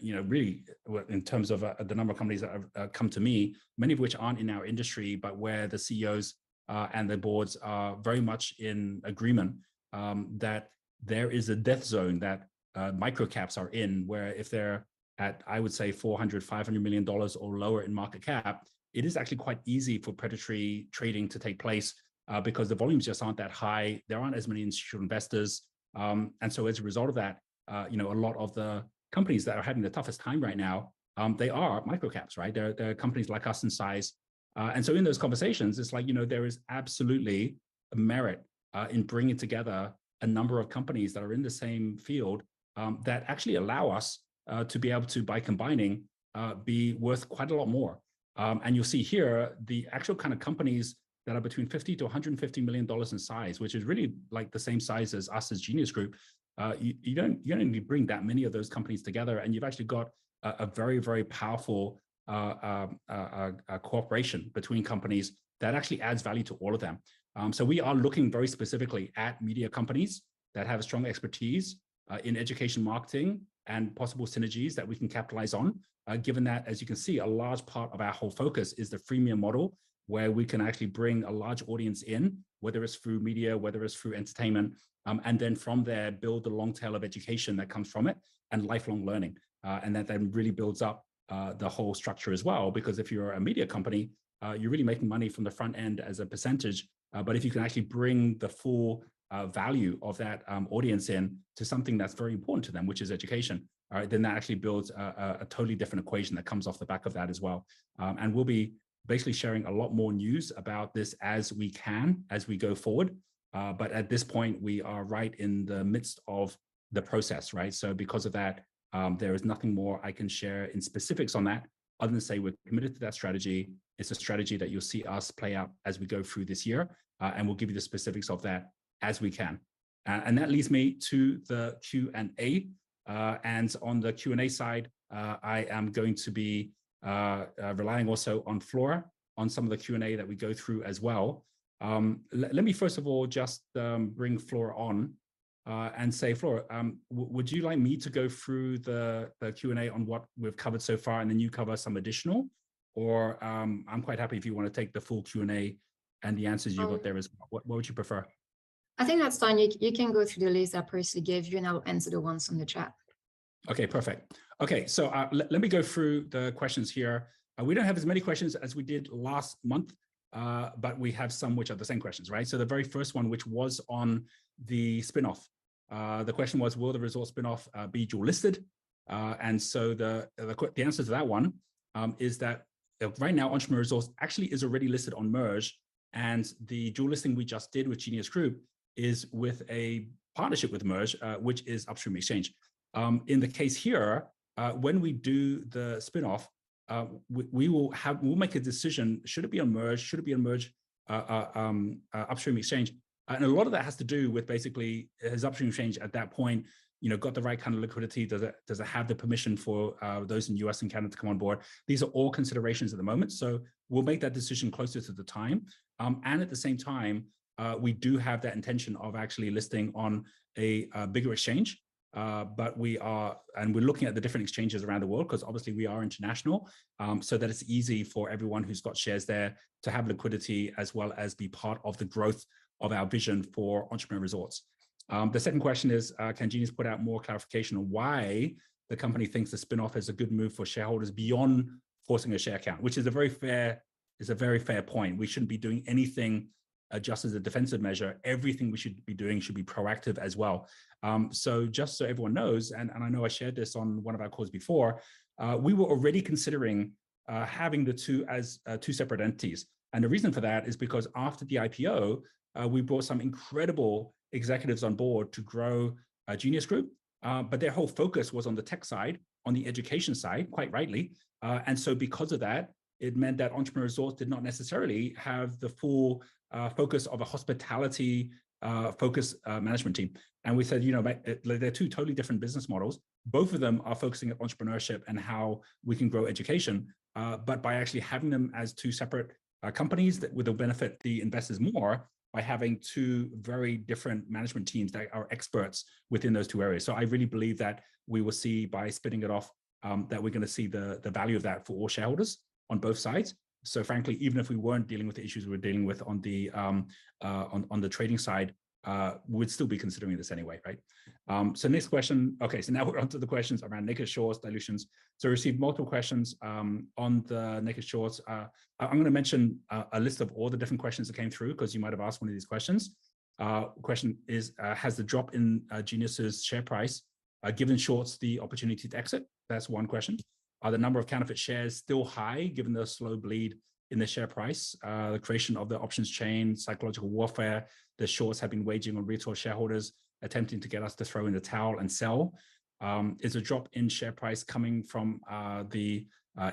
you know, really, in terms of the number of companies that have come to me, many of which aren't in our industry, but where the CEOs and their boards are very much in agreement that there is a death zone that micro caps are in, where if they're at, I would say $400 million-$500 million or lower in market cap, it is actually quite easy for predatory trading to take place because the volumes just aren't that high. There aren't as many institutional investors. As a result of that, you know, a lot of the companies that are having the toughest time right now, they are micro caps, right? They're companies like us in size. In those conversations, it's like, you know, there is absolutely merit in bringing together a number of companies that are in the same field that actually allow us to be able to, by combining, be worth quite a lot more. You'll see here the actual kind of companies that are between $50 million-$150 million in size, which is really like the same size as us as Genius Group, you don't need to bring that many of those companies together, and you've actually got a very, very powerful cooperation between companies that actually adds value to all of them. We are looking very specifically at media companies that have strong expertise in education marketing and possible synergies that we can capitalize on. Given that, as you can see, a large part of our whole focus is the freemium model, where we can actually bring a large audience in, whether it's through media, whether it's through entertainment, and then from there build the long tail of education that comes from it and lifelong learning. That then really builds up the whole structure as well because if you're a media company, you're really making money from the front end as a percentage, but if you can actually bring the full value of that audience in to something that's very important to them, which is education, then that actually builds a totally different equation that comes off the back of that as well. We'll be basically sharing a lot more news about this as we can as we go forward. At this point we are right in the midst of the process, right? Because of that, there is nothing more I can share in specifics on that other than say we're committed to that strategy. It's a strategy that you'll see us play out as we go through this year. We'll give you the specifics of that as we can. That leads me to the Q&A. On the Q&A side, I am going to be relying also on Flora on some of the Q&A that we go through as well. Let me first of all just bring Flora on and say, Flora, would you like me to go through the Q&A on what we've covered so far and then you cover some additional? I'm quite happy if you wanna take the full Q&A and the answers you've got there as well. What would you prefer? I think that's fine. You can go through the list that Percy gave you. I'll answer the ones on the chat. Perfect. Okay. Let me go through the questions here. We don't have as many questions as we did last month, we have some which are the same questions, right? The very first one, which was on the spinoff, the question was will the resource spinoff be dual listed? The answer to that one is that right now Entrepreneur Resorts actually is already listed on MERJ, and the dual listing we just did with Genius Group is with a partnership with MERJ, which is Upstream Exchange. In the case here, when we do the spinoff, we'll make a decision. Should it be on MERJ? Should it be on MERJ, Upstream Exchange? A lot of that has to do with basically has Upstream Exchange at that point, you know, got the right kind of liquidity. Does it have the permission for those in U.S. and Canada to come on board? These are all considerations at the moment, so we'll make that decision closer to the time. At the same time, we do have that intention of actually listing on a bigger exchange. We are looking at the different exchanges around the world 'cause obviously we are international, so that it's easy for everyone who's got shares there to have liquidity as well as be part of the growth of our vision for Entrepreneur Resorts. The second question is, can Genius Group put out more clarification on why the company thinks the spinoff is a good move for shareholders beyond forcing a share count? Which is a very fair point. We shouldn't be doing anything just as a defensive measure. Everything we should be doing should be proactive as well. Just so everyone knows, and I know I shared this on one of our calls before, we were already considering having the two as two separate entities. The reason for that is because after the IPO, we brought some incredible executives on board to grow a Genius Group. Their whole focus was on the tech side, on the education side, quite rightly. Because of that, it meant that Entrepreneur Resorts did not necessarily have the full focus of a hospitality focus management team. We said, you know, they're two totally different business models. Both of them are focusing on entrepreneurship and how we can grow education, but by actually having them as two separate companies that it would benefit the investors more by having two very different management teams that are experts within those two areas. I really believe that we will see by spinning it off, that we're gonna see the value of that for all shareholders on both sides. Frankly, even if we weren't dealing with the issues we're dealing with on the trading side, we'd still be considering this anyway, right? Next question. Okay, now we're onto the questions around naked shorts dilutions. Received multiple questions on the naked shorts. I'm gonna mention a list of all the different questions that came through, 'cause you might have asked one of these questions. Question is, has the drop in Genius' share price given shorts the opportunity to exit? That's one question. Are the number of counterfeit shares still high given the slow bleed in the share price, the creation of the options chain, psychological warfare the shorts have been waging on retail shareholders attempting to get us to throw in the towel and sell? Is the drop in share price coming from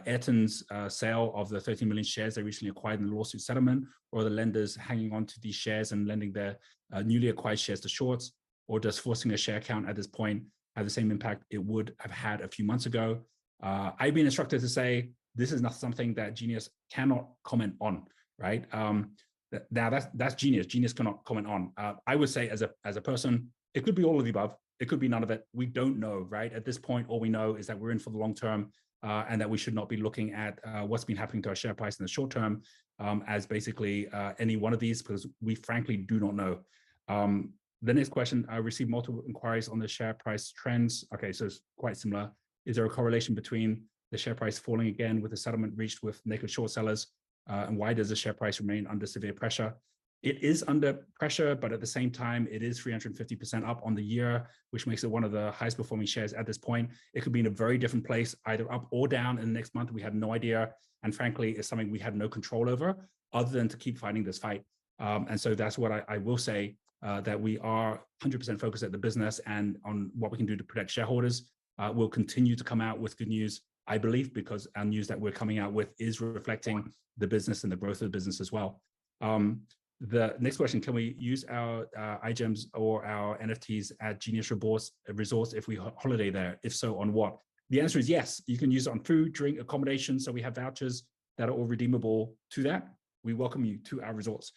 Ayrton's sale of the 30 million shares they recently acquired in the lawsuit settlement, or are the lenders hanging on to these shares and lending their newly acquired shares to shorts? Does forcing a share count at this point have the same impact it would have had a few months ago? I've been instructed to say this is not something that Genius cannot comment on, right? Now that's Genius. Genius cannot comment on. I would say as a person, it could be all of the above, it could be none of it. We don't know, right? At this point, all we know is that we're in for the long term, and that we should not be looking at what's been happening to our share price in the short term, as basically any one of these, 'cause we frankly do not know. The next question, I received multiple inquiries on the share price trends. It's quite similar. Is there a correlation between the share price falling again with the settlement reached with naked short sellers? Why does the share price remain under severe pressure? It is under pressure, but at the same time it is 350% up on the year, which makes it one of the highest performing shares at this point. It could be in a very different place, either up or down in the next month. We have no idea, frankly, it's something we have no control over other than to keep fighting this fight. That's what I will say that we are 100% focused at the business and on what we can do to protect shareholders. We'll continue to come out with good news, I believe, because our news that we're coming out with is reflecting the business and the growth of the business as well. The next question, can we use our iGEMs or our NFTs at Genius Resorts if we holiday there? If so, on what? The answer is yes, you can use it on food, drink, accommodation. We have vouchers that are all redeemable to that. We welcome you to our resorts.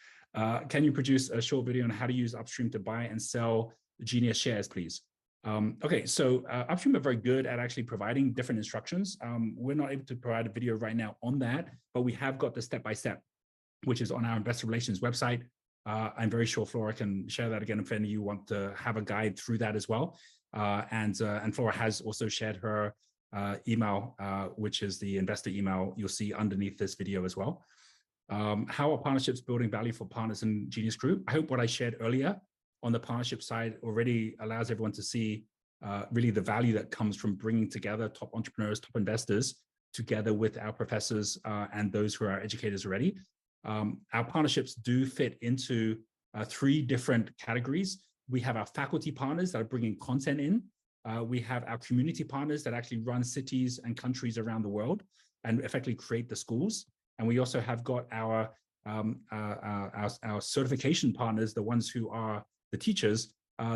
Can you produce a short video on how to use Upstream to buy and sell Genius shares, please? Okay. Upstream are very good at actually providing different instructions. We're not able to provide a video right now on that, but we have got the step-by-step, which is on our investor relations website. I'm very sure Flora can share that again if any of you want to have a guide through that as well. Flora has also shared her email, which is the investor email you'll see underneath this video as well. How are partnerships building value for partners in Genius Group? I hope what I shared earlier on the partnership side already allows everyone to see, really the value that comes from bringing together top entrepreneurs, top investors, together with our professors, and those who are our educators already. Our partnerships do fit into, three different categories. We have our faculty partners that are bringing content in. We have our community partners that actually run cities and countries around the world and effectively create the schools. We also have got our certification partners, the ones who are the teachers,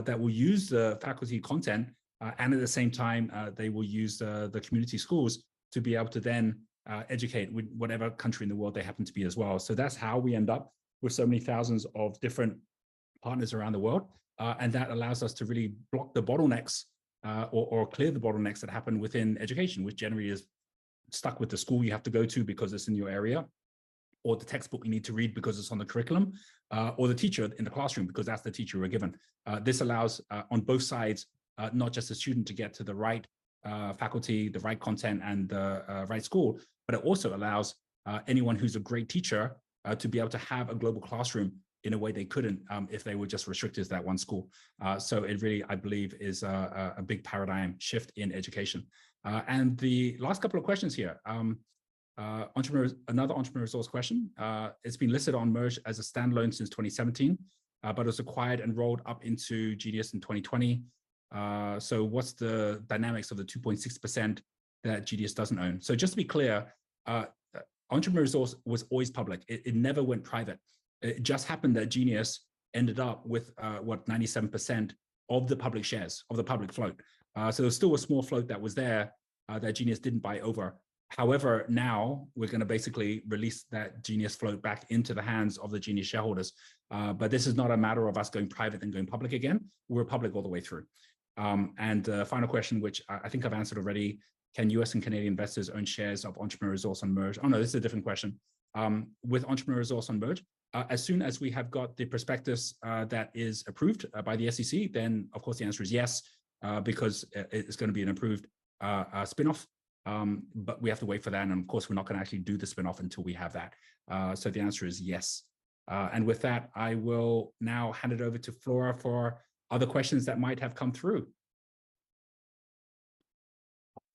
that will use the faculty content, and at the same time, they will use the community schools to be able to then, educate with whatever country in the world they happen to be as well. That's how we end up with so many thousands of different partners around the world. That allows us to really block the bottlenecks, or clear the bottlenecks that happen within education, which generally is stuck with the school you have to go to because it's in your area, or the textbook you need to read because it's on the curriculum, or the teacher in the classroom because that's the teacher you're given. This allows on both sides, not just the student to get to the right faculty, the right content and the right school, but it also allows anyone who's a great teacher to be able to have a global classroom in a way they couldn't if they were just restricted to that one school. It really, I believe is a big paradigm shift in education. The last couple of questions here. Another Entrepreneur Resorts question. It's been listed on MERJ as a standalone since 2017, was acquired and rolled up into Genius in 2020. What's the dynamics of the 2.6% that Genius doesn't own? Just to be clear, Entrepreneur Resorts was always public. It never went private. It just happened that Genius ended up with, what, 97% of the public shares, of the public float. There was still a small float that was there that Genius didn't buy over. However, now we're gonna basically release that Genius float back into the hands of the Genius shareholders. This is not a matter of us going private then going public again. We're public all the way through. The final question, which I think I've answered already, can US and Canadian investors own shares of Entrepreneur Resorts on MERJ? Oh no, this is a different question. With Entrepreneur Resorts on MERJ, as soon as we have got the prospectus, that is approved, by the SEC, then of course the answer is yes, because, it's gonna be an approved spin-off. We have to wait for that, and of course, we're not gonna actually do the spin-off until we have that. The answer is yes. With that, I will now hand it over to Flora for other questions that might have come through.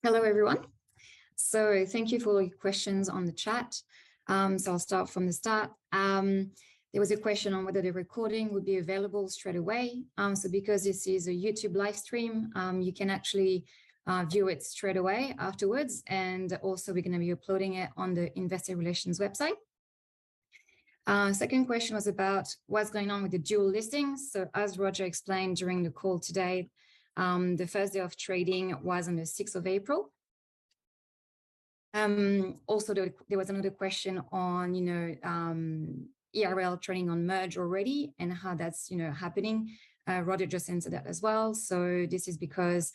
Hello everyone. Thank you for all your questions on the chat. I'll start from the start. There was a question on whether the recording would be available straight away. because this is a YouTube live stream, you can actually view it straight away afterwards, and also we're gonna be uploading it on the investor relations website. Second question was about what's going on with the dual listing. As Roger explained during the call today, the first day of trading was on the sixth of April. also there was another question on, you know, ERL trading on MERJ already and how that's, you know, happening. Roger just answered that as well. This is because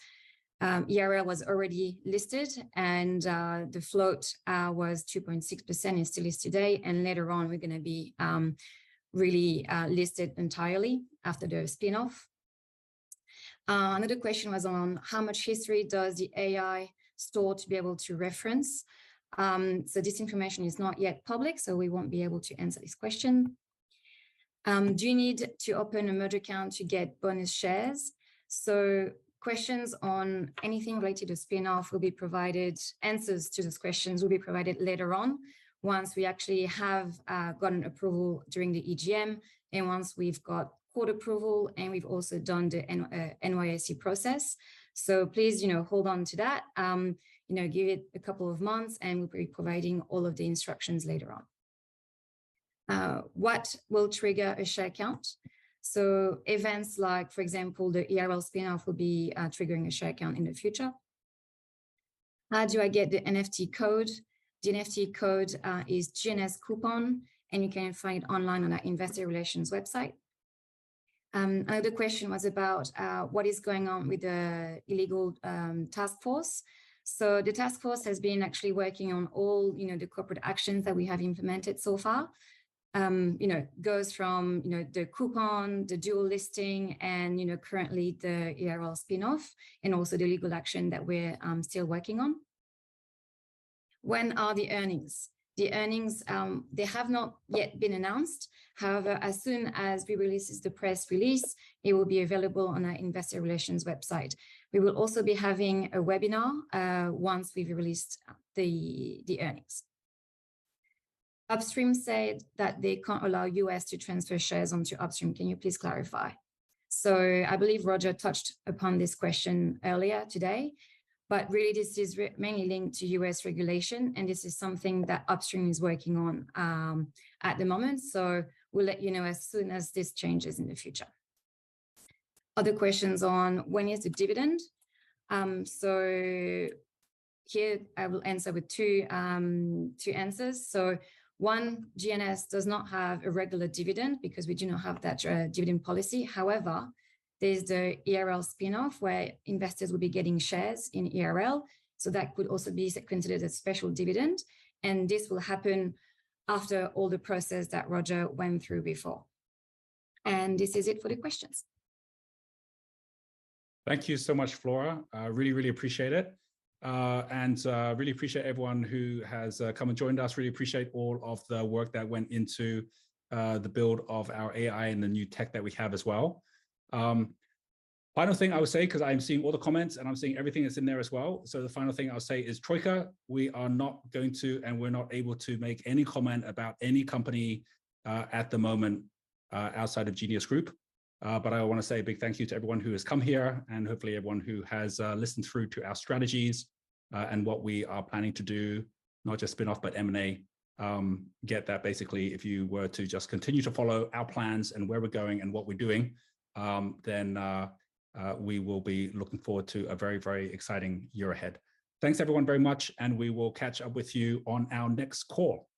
ERL was already listed and the float was 2.6%, it still is today, and later on we're gonna be really listed entirely after the spinoff. Another question was on how much history does the AI store to be able to reference. This information is not yet public, so we won't be able to answer this question. Do you need to open a MERJ account to get bonus shares? Questions on anything related to spinoff will be provided, answers to those questions will be provided later on once we actually have gotten approval during the EGM and once we've got board approval and we've also done the NYSE process. Please, you know, hold on to that. You know, give it a couple of months, and we'll be providing all of the instructions later on. What will trigger a share account? Events like for example, the ERL spinoff will be triggering a share account in the future. How do I get the NFT code? The NFT code is GNSCOUPON, and you can find online on our investor relations website. Another question was about what is going on with the illegal task force. The task force has been actually working on all, you know, the corporate actions that we have implemented so far. You know, goes from, you know, the coupon, the dual listing and, you know, currently the ERL spinoff, and also the legal action that we're still working on. When are the earnings? The earnings, they have not yet been announced. As soon as we release the press release, it will be available on our investor relations website. We will also be having a webinar once we've released the earnings. Upstream said that they can't allow U.S. to transfer shares onto Upstream. Can you please clarify? I believe Roger touched upon this question earlier today, really this is mainly linked to U.S. regulation and this is something that Upstream is working on at the moment. We'll let you know as soon as this changes in the future. Other questions on when is the dividend. Here I will answer with two answers. One, GNS does not have a regular dividend because we do not have that dividend policy. However, there's the ERL spinoff where investors will be getting shares in ERL, so that could also be considered a special dividend, and this will happen after all the process that Roger went through before. This is it for the questions. Thank you so much, Flora. I really, really appreciate it. Really appreciate everyone who has come and joined us. Really appreciate all of the work that went into the build of our AI and the new tech that we have as well. Final thing I would say 'cause I'm seeing all the comments and I'm seeing everything that's in there as well, the final thing I'll say is Troika, we are not going to, and we're not able to make any comment about any company at the moment outside of Genius Group. I wanna say a big thank you to everyone who has come here and hopefully everyone who has listened through to our strategies and what we are planning to do, not just spinoff, but M&A. Get that basically if you were to just continue to follow our plans and where we're going and what we're doing, then, we will be looking forward to a very, very exciting year ahead. Thanks everyone very much, and we will catch up with you on our next call. Goodbye.